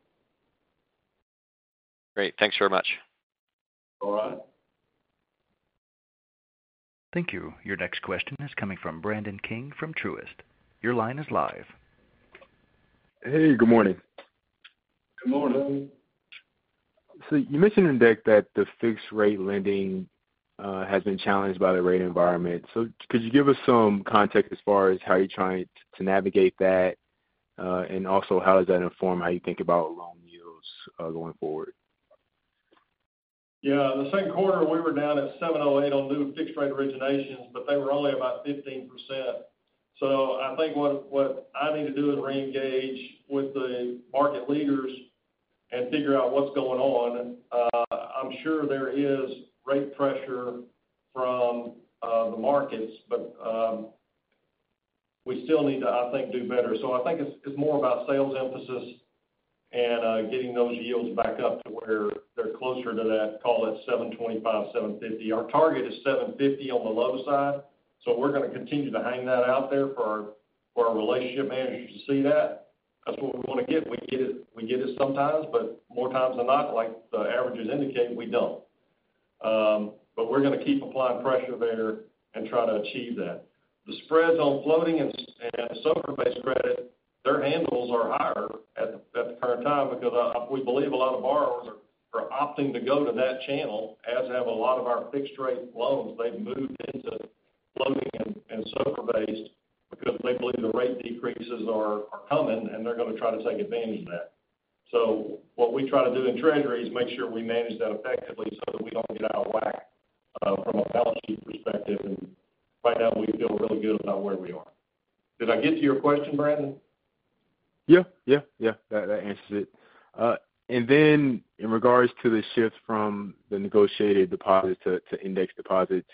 S6: Great. Thanks very much.
S3: All right.
S1: Thank you. Your next question is coming from Brandon King from Truist. Your line is live.
S7: Hey, good morning.
S3: Good morning.
S7: So you mentioned in the deck that the fixed rate lending has been challenged by the rate environment. So could you give us some context as far as how you're trying to navigate that? And also, how does that inform how you think about loan yields going forward?
S3: Yeah, the Q2, we were down at 708 on new fixed-rate originations, but they were only about 15%. So I think what, what I need to do is reengage with the market leaders and figure out what's going on. I'm sure there is rate pressure from the markets, but we still need to, I think, do better. So I think it's, it's more about sales emphasis and getting those yields back up to where they're closer to that, call it 725, 750. Our target is 750 on the low side, so we're going to continue to hang that out there for our, for our relationship managers to see that. That's what we want to get. We get it, we get it sometimes, but more times than not, like the averages indicate, we don't. But we're going to keep applying pressure there and try to achieve that. The spreads on floating and SOFR-based credit, their handles are higher at the current time because we believe a lot of borrowers are opting to go to that channel, as have a lot of our fixed-rate loans. They've moved into floating and SOFR-based because they believe the rate decreases are coming, and they're going to try to take advantage of that. So what we try to do in treasury is make sure we manage that effectively so that we don't get out of whack from a balance sheet perspective, and right now we feel really good about where we are. Did I get to your question, Brandon?
S7: Yeah, yeah, yeah, that answers it. And then, in regards to the shift from the negotiated deposits to index deposits,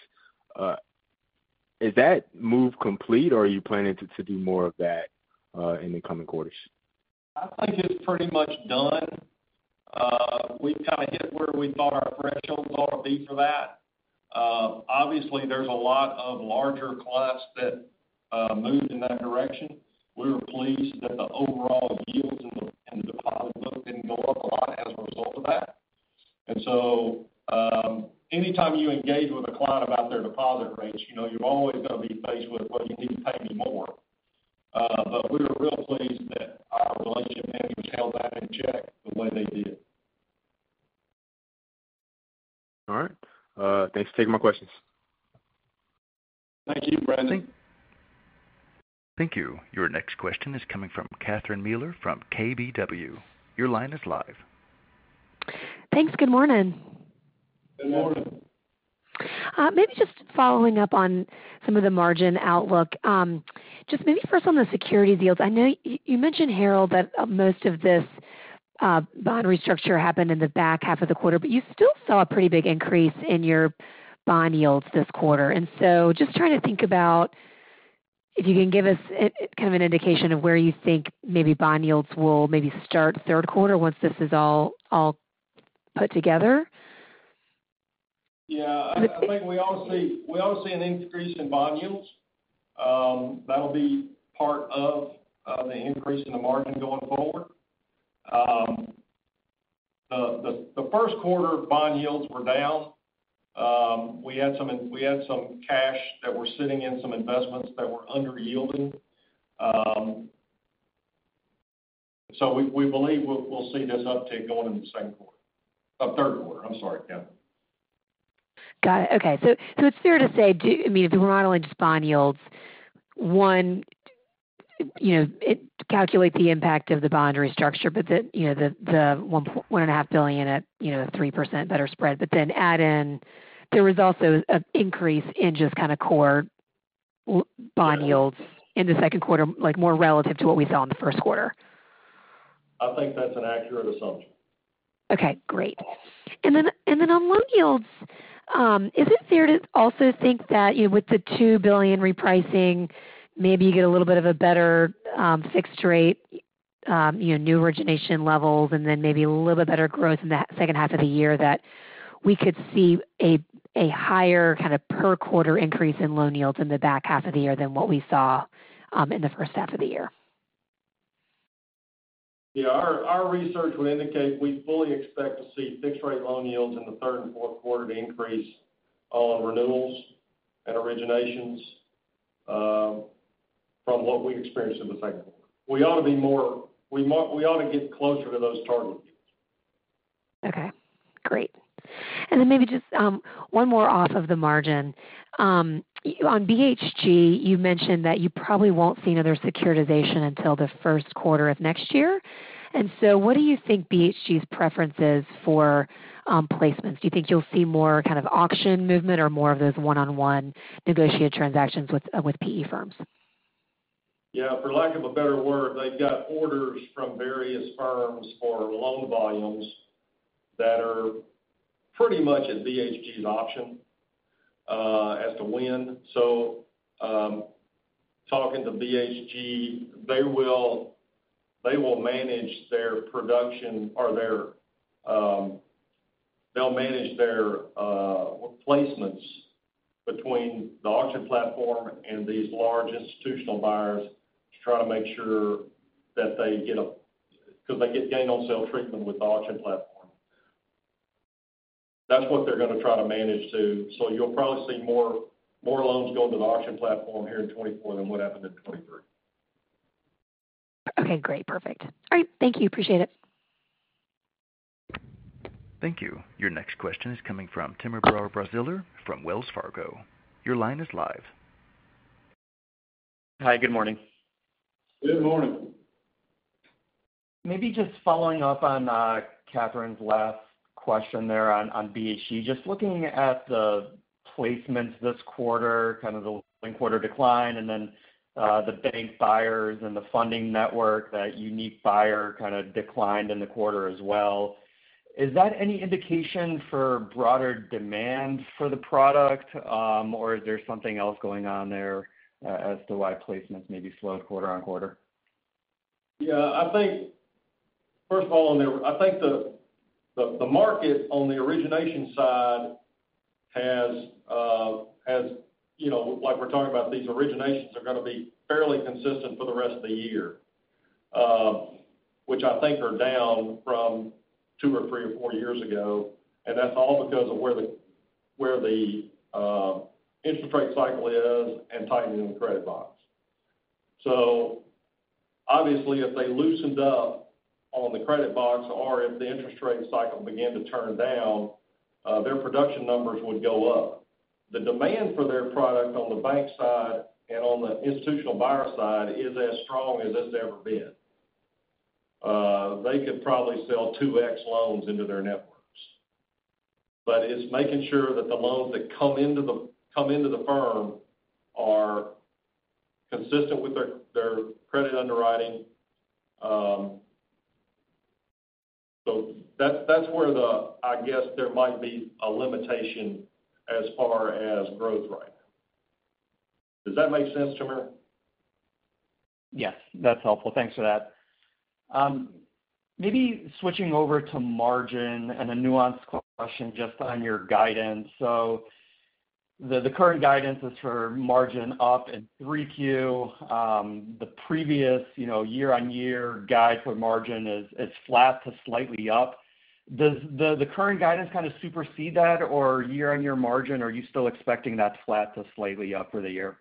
S7: is that move complete, or are you planning to do more of that in the coming quarters?
S3: I think it's pretty much done. We've kind of hit where we thought our thresholds ought to be for that. Obviously, there's a lot of larger clients that moved in that direction. We were pleased that the overall yields in the deposit book didn't go up a lot as a result of that. And so, anytime you engage with a client about their deposit rates, you know you're always going to be faced with, "Well, you need to pay me more." But we were real pleased that our relationship managers held that in check the way they did.
S7: All right. Thanks for taking my questions.
S3: Thank you, Brandon.
S1: Thank you. Your next question is coming from Catherine Mealor from KBW. Your line is live.
S8: Thanks. Good morning.
S3: Good morning.
S8: Maybe just following up on some of the margin outlook. Just maybe first on the security deals. I know you mentioned, Harold, that most of this bond restructure happened in the back half of the quarter, but you still saw a pretty big increase in your bond yields this quarter. And so just trying to think about if you can give us a kind of an indication of where you think maybe bond yields will maybe start Q3 once this is all, all put together?
S3: Yeah, I think we all see an increase in bond yields. That'll be part of the increase in the margin going forward. The Q1, bond yields were down. We had some cash that were sitting in some investments that were underyielding. So we believe we'll see this uptick going in the Q2, Q3. I'm sorry, Catherine.
S8: Got it. Okay, so it's fair to say, I mean, if we're modeling just bond yields, one, you know, it. Calculate the impact of the bond restructure, but the, you know, the $1.5 billion at, you know, 3% better spread. But then add in, there was also an increase in just kind of core bond yields.
S3: Yeah.
S8: In the Q2, like, more relative to what we saw in the Q1.
S3: I think that's an accurate assumption.
S8: Okay, great. And then on loan yields, is it fair to also think that, you know, with the $2 billion repricing, maybe you get a little bit of a better fixed rate, you know, new origination levels, and then maybe a little bit better growth in that second half of the year, that we could see a higher kind of per quarter increase in loan yields in the back half of the year than what we saw in the first half of the year?
S3: Yeah, our research would indicate we fully expect to see fixed rate loan yields in the third and fourth quarter to increase on renewals and originations from what we experienced in the Q2. We ought to be more, we might, we ought to get closer to those targets.
S8: Okay, great. And then maybe just one more off of the margin. On BHG, you mentioned that you probably won't see another securitization until the Q1 of next year. And so what do you think BHG's preference is for placements? Do you think you'll see more kind of auction movement or more of those one-on-one negotiated transactions with with PE firms?
S3: Yeah, for lack of a better word, they've got orders from various firms for loan volumes that are pretty much at BHG's auction, as to when. So, talking to BHG, they will, they will manage their production or their, they'll manage their, placements between the auction platform and these large institutional buyers to try to make sure that they get a... Because they get gain on sale treatment with the auction platform. That's what they're going to try to manage to. So you'll probably see more, more loans go to the auction platform here in 2024 than what happened in 2023.
S8: Okay, great. Perfect. All right, thank you. Appreciate it.
S1: Thank you. Your next question is coming from Timur Braziller from Wells Fargo. Your line is live.
S9: Hi, good morning.
S3: Good morning.
S9: Maybe just following up on Catherine's last question there on BHG. Just looking at the placements this quarter, kind of the quarter decline and then the bank buyers and the funding network, that unique buyer kind of declined in the quarter as well. Is that any indication for broader demand for the product, or is there something else going on there as to why placements maybe slowed quarter on quarter?
S3: Yeah, I think, first of all, on the, I think the market on the origination side has, you know, like we're talking about, these originations are going to be fairly consistent for the rest of the year, which I think are down from 2 or 3 or 4 years ago, and that's all because of where the interest rate cycle is and tightening the credit box. So obviously, if they loosened up on the credit box or if the interest rate cycle began to turn down, their production numbers would go up. The demand for their product on the bank side and on the institutional buyer side is as strong as it's ever been. They could probably sell 2x loans into their networks. But it's making sure that the loans that come into the firm are consistent with their credit underwriting. So that's where the, I guess, there might be a limitation as far as growth right now. Does that make sense, Timur?
S9: Yes, that's helpful. Thanks for that. Maybe switching over to margin and a nuanced question just on your guidance. So the current guidance is for margin up in 3Q. The previous, you know, year-on-year guide for margin is flat to slightly up. Does the current guidance kind of supersede that, or year-on-year margin, are you still expecting that flat to slightly up for the year?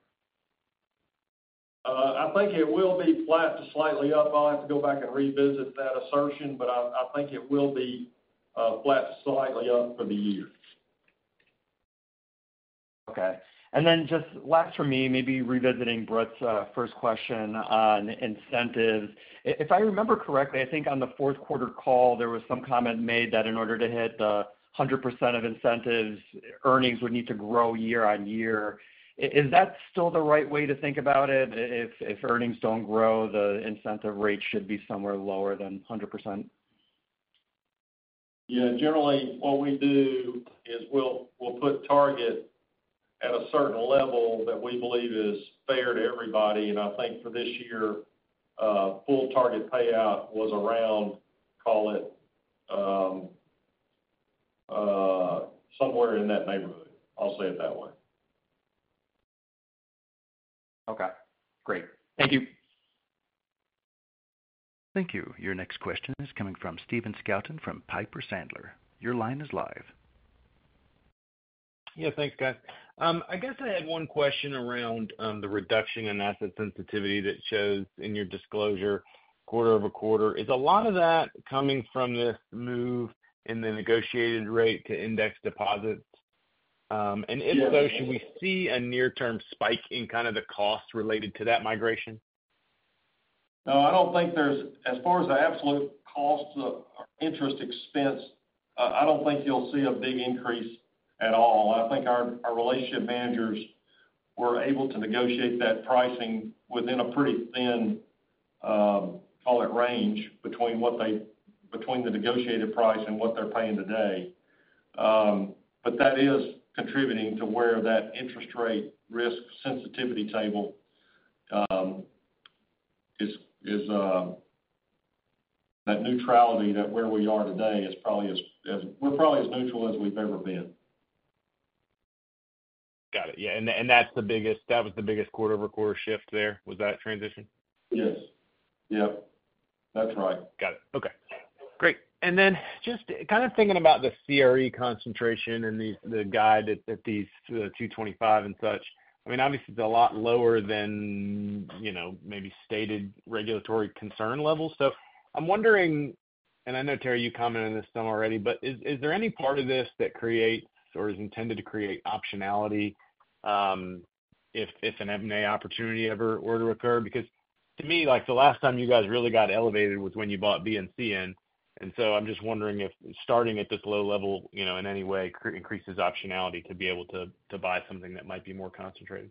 S3: I think it will be flat to slightly up. I'll have to go back and revisit that assertion, but I, I think it will be flat to slightly up for the year.
S9: Okay. And then just last for me, maybe revisiting Brett's first question on incentives. If I remember correctly, I think on the fourth quarter call, there was some comment made that in order to hit the 100% of incentives, earnings would need to grow year-over-year. Is that still the right way to think about it? If earnings don't grow, the incentive rate should be somewhere lower than 100%?
S3: Yeah, generally, what we do is we'll put target at a certain level that we believe is fair to everybody. I think for this year, full target payout was around, call it, somewhere in that neighborhood. I'll say it that way.
S9: Okay, great. Thank you.
S1: Thank you. Your next question is coming from Stephen Scouten from Piper Sandler. Your line is live.
S10: Yeah, thanks, guys. I guess I had one question around the reduction in asset sensitivity that shows in your disclosure quarter-over-quarter. Is a lot of that coming from this move in the negotiated rate to index deposits? And if so, should we see a near-term spike in kind of the cost related to that migration?
S3: No, I don't think there's, as far as the absolute cost of interest expense, I don't think you'll see a big increase at all. I think our relationship managers were able to negotiate that pricing within a pretty thin, call it range, between the negotiated price and what they're paying today. But that is contributing to where that interest rate risk sensitivity table is, that neutrality that where we are today is probably as we're probably as neutral as we've ever been.
S10: Got it. Yeah, and, and that's the biggest, that was the biggest quarter-over-quarter shift there, was that transition?
S3: Yes. Yep, that's right.
S10: Got it. Okay, great. And then just kind of thinking about the CRE concentration and the guide at 225 and such, I mean, obviously, it's a lot lower than, you know, maybe stated regulatory concern levels. So I'm wondering, and I know, Terry, you commented on this some already, but is there any part of this that creates or is intended to create optionality if an M&A opportunity ever were to occur? Because to me, like, the last time you guys really got elevated was when you bought BNCN. And so I'm just wondering if starting at this low level, you know, in any way increases optionality to be able to buy something that might be more concentrated.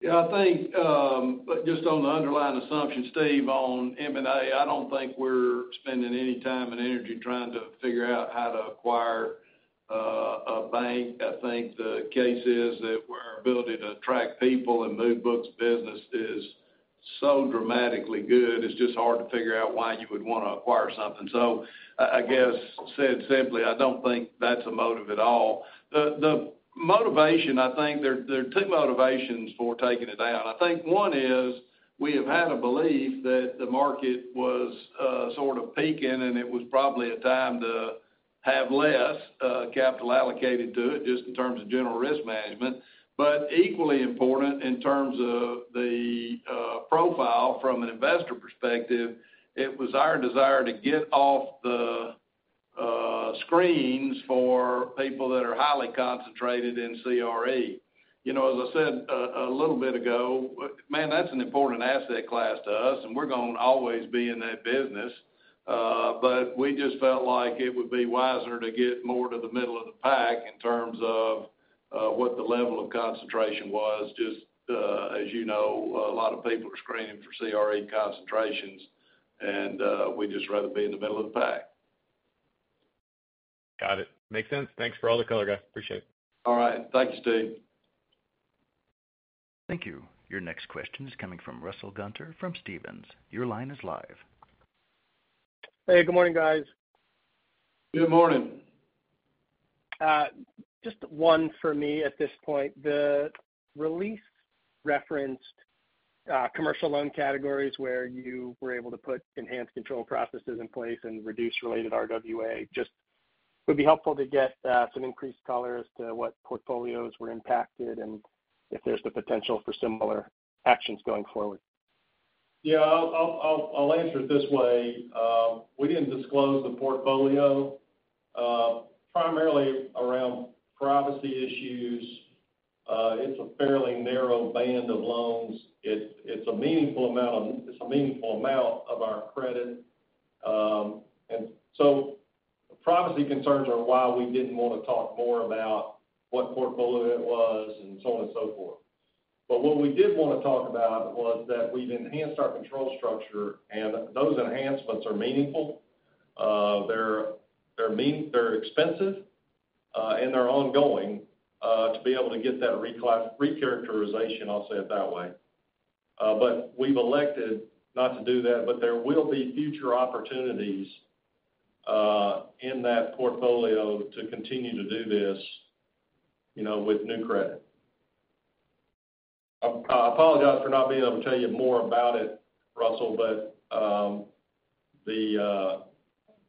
S3: Yeah, I think, but just on the underlying assumption, Steve, on M&A, I don't think we're spending any time and energy trying to figure out how to acquire a bank. I think the case is that our ability to attract people and move books business is so dramatically good, it's just hard to figure out why you would want to acquire something. So I guess, said simply, I don't think that's a motive at all. The motivation, I think, there are two motivations for taking it down. I think one is, we have had a belief that the market was sort of peaking, and it was probably a time to have less capital allocated to it, just in terms of general risk management. But equally important in terms of the profile from an investor perspective, it was our desire to get off the screens for people that are highly concentrated in CRE. You know, as I said a little bit ago, man, that's an important asset class to us, and we're going to always be in that business. But we just felt like it would be wiser to get more to the middle of the pack in terms of what the level of concentration was. Just as you know, a lot of people are screening for CRE concentrations, and we'd just rather be in the middle of the pack.
S10: Got it. Makes sense. Thanks for all the color, guys. Appreciate it.
S3: All right. Thanks, Steve.
S1: Thank you. Your next question is coming from Russell Gunther from Stephens. Your line is live.
S11: Hey, good morning, guys.
S3: Good morning.
S11: Just one for me at this point. The release referenced commercial loan categories where you were able to put enhanced control processes in place and reduce related RWA. Just would be helpful to get some increased color as to what portfolios were impacted and if there's the potential for similar actions going forward.
S3: Yeah, I'll answer it this way. We didn't disclose the portfolio, primarily around privacy issues. It's a fairly narrow band of loans. It's a meaningful amount of our credit. And so privacy concerns are why we didn't want to talk more about what portfolio it was and so on and so forth. But what we did want to talk about was that we've enhanced our control structure, and those enhancements are meaningful. They're expensive, and they're ongoing, to be able to get that recharacterization, I'll say it that way. But we've elected not to do that, but there will be future opportunities, in that portfolio to continue to do this, you know, with new credit. I apologize for not being able to tell you more about it, Russell, but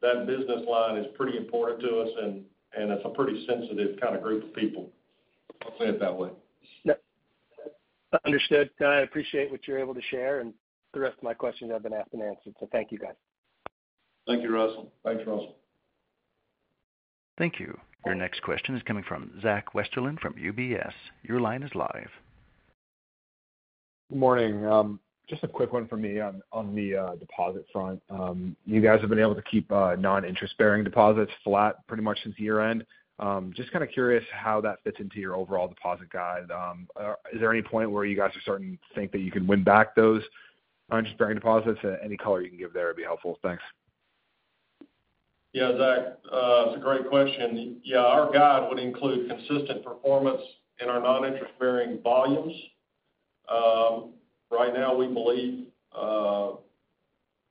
S3: that business line is pretty important to us, and it's a pretty sensitive kind of group of people. I'll say it that way.
S11: Yep. Understood. I appreciate what you're able to share, and the rest of my questions have been asked and answered. So thank you, guys.
S3: Thank you, Russell.
S11: Thanks, Russell.
S1: Thank you. Your next question is coming from Zach Westerlind from UBS. Your line is live.
S12: Good morning. Just a quick one for me on the deposit front. You guys have been able to keep non-interest-bearing deposits flat pretty much since year-end. Just kind of curious how that fits into your overall deposit guide. Is there any point where you guys are starting to think that you can win back those non-interest-bearing deposits? Any color you can give there would be helpful. Thanks.
S3: Yeah, Zach, it's a great question. Yeah, our guide would include consistent performance in our non-interest-bearing volumes. Right now, we believe,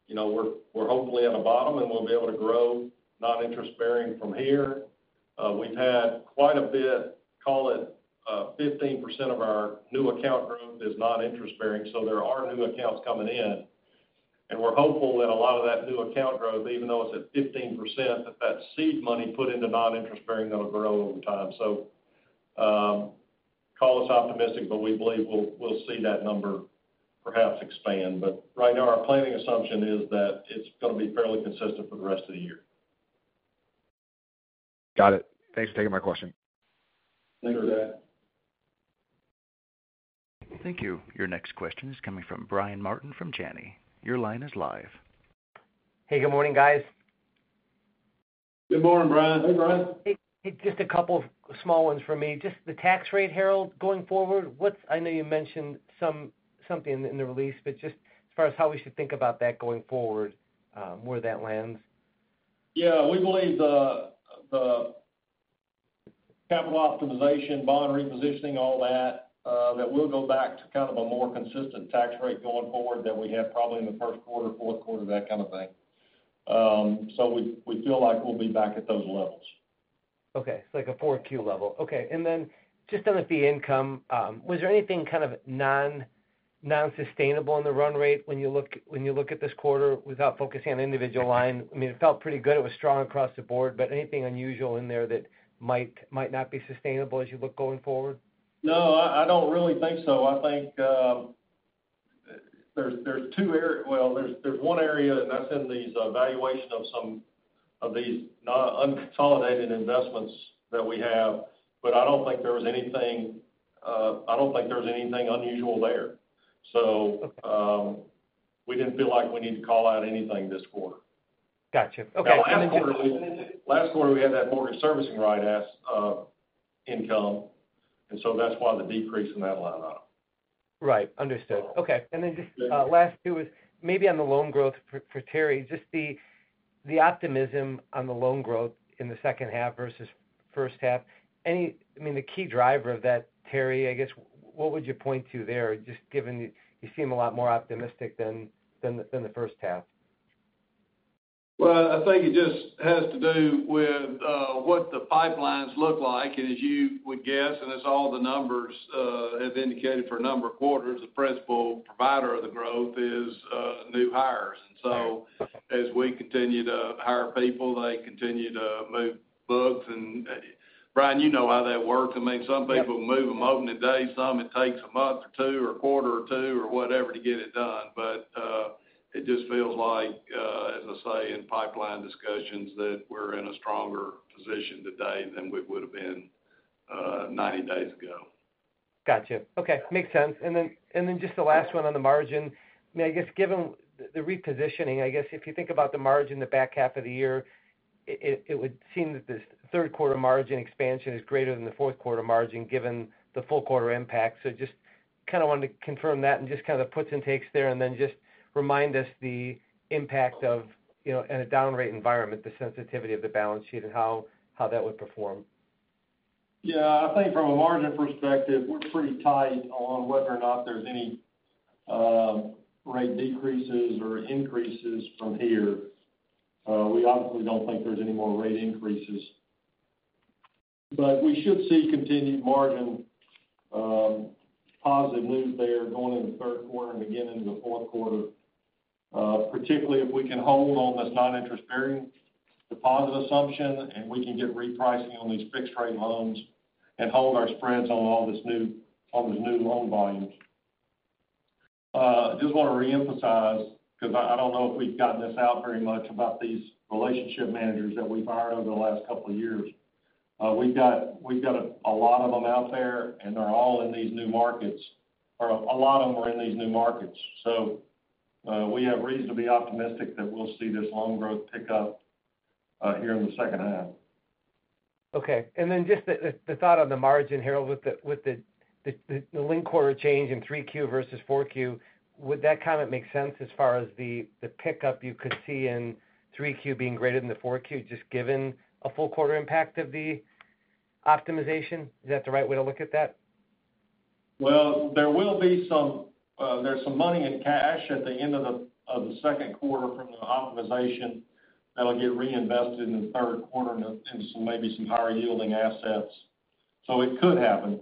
S3: you know, we're hopefully at a bottom, and we'll be able to grow non-interest-bearing from here. We've had quite a bit, call it, 15% of our new account growth is non-interest-bearing, so there are new accounts coming in. And we're hopeful that a lot of that new account growth, even though it's at 15%, that seed money put into non-interest-bearing gonna grow over time. So, call us optimistic, but we believe we'll see that number perhaps expand. But right now, our planning assumption is that it's gonna be fairly consistent for the rest of the year.
S12: Got it. Thanks for taking my question.
S3: Thanks, Zach.
S1: Thank you. Your next question is coming from Brian Martin from Janney. Your line is live.
S13: Hey, good morning, guys.
S3: Good morning, Brian. Hey, Brian.
S13: Hey, just a couple of small ones for me. Just the tax rate, Harold, going forward, what's... I know you mentioned something in the release, but just as far as how we should think about that going forward, where that lands?
S3: Yeah, we believe the capital optimization, bond repositioning, all that, that we'll go back to kind of a more consistent tax rate going forward than we have probably in the Q1, fourth quarter, that kind of thing. So we feel like we'll be back at those levels.
S13: Okay, so like a 4Q level. Okay, and then just on the fee income, was there anything kind of non-sustainable in the run rate when you look at this quarter without focusing on individual lines? I mean, it felt pretty good. It was strong across the board, but anything unusual in there that might not be sustainable as you look going forward?
S3: No, I don't really think so. I think there's one area, and that's in the valuation of some of these non-consolidated investments that we have, but I don't think there was anything unusual there. So, we didn't feel like we need to call out anything this quarter.
S13: Got you. Okay.
S3: Last quarter, last quarter, we had that mortgage servicing rights as income, and so that's why the decrease in that line item.
S13: Right. Understood. Okay. And then just, last two is maybe on the loan growth for Terry, just the optimism on the loan growth in the second half versus first half. I mean, the key driver of that, Terry, I guess, what would you point to there, just given you seem a lot more optimistic than the first half?
S3: Well, I think it just has to do with what the pipelines look like. And as you would guess, and as all the numbers have indicated for a number of quarters, the principal provider of the growth is new hires. So as we continue to hire people, they continue to move books. And Brian, you know how that works. I mean, some people move them over the day, some it takes a month or two, or a quarter or two, or whatever to get it done. But it just feels like, as I say, in pipeline discussions, that we're in a stronger position today than we would have been 90 days ago.
S13: Got you. Okay, makes sense. And then just the last one on the margin. I guess, given the repositioning, I guess if you think about the margin in the back half of the year, it would seem that the Q3 margin expansion is greater than the fourth quarter margin, given the full quarter impact. So just kind of wanted to confirm that and just kind of the puts and takes there, and then just remind us the impact of, you know, in a down rate environment, the sensitivity of the balance sheet and how that would perform.
S3: Yeah, I think from a margin perspective, we're pretty tight on whether or not there's any rate decreases or increases from here. We obviously don't think there's any more rate increases, but we should see continued margin positive moves there going in the Q3 and again in the fourth quarter. Particularly if we can hold on this non-interest-bearing deposit assumption, and we can get repricing on these fixed-rate loans and hold our spreads on all this new, on this new loan volumes. I just want to reemphasize, because I, I don't know if we've gotten this out very much about these relationship managers that we've hired over the last couple of years. We've got, we've got a lot of them out there, and they're all in these new markets, or a lot of them are in these new markets. We have reason to be optimistic that we'll see this loan growth pick up here in the second half.
S13: Okay. And then just the thought on the margin, Harold, with the link quarter change in 3Q versus 4Q, would that kind of make sense as far as the pickup you could see in 3Q being greater than the 4Q, just given a full quarter impact of the optimization? Is that the right way to look at that?
S3: Well, there will be some, there's some money in cash at the end of the Q2 from the optimization that'll get reinvested in the Q3 into some, maybe some higher-yielding assets. So it could happen.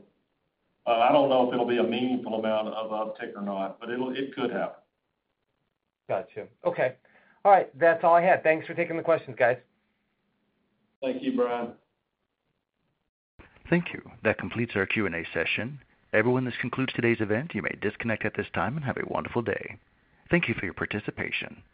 S3: I don't know if it'll be a meaningful amount of uptick or not, but it could happen.
S13: Got you. Okay. All right, that's all I had. Thanks for taking the questions, guys.
S3: Thank you, Brian.
S1: Thank you. That completes our Q&A session. Everyone, this concludes today's event. You may disconnect at this time and have a wonderful day. Thank you for your participation.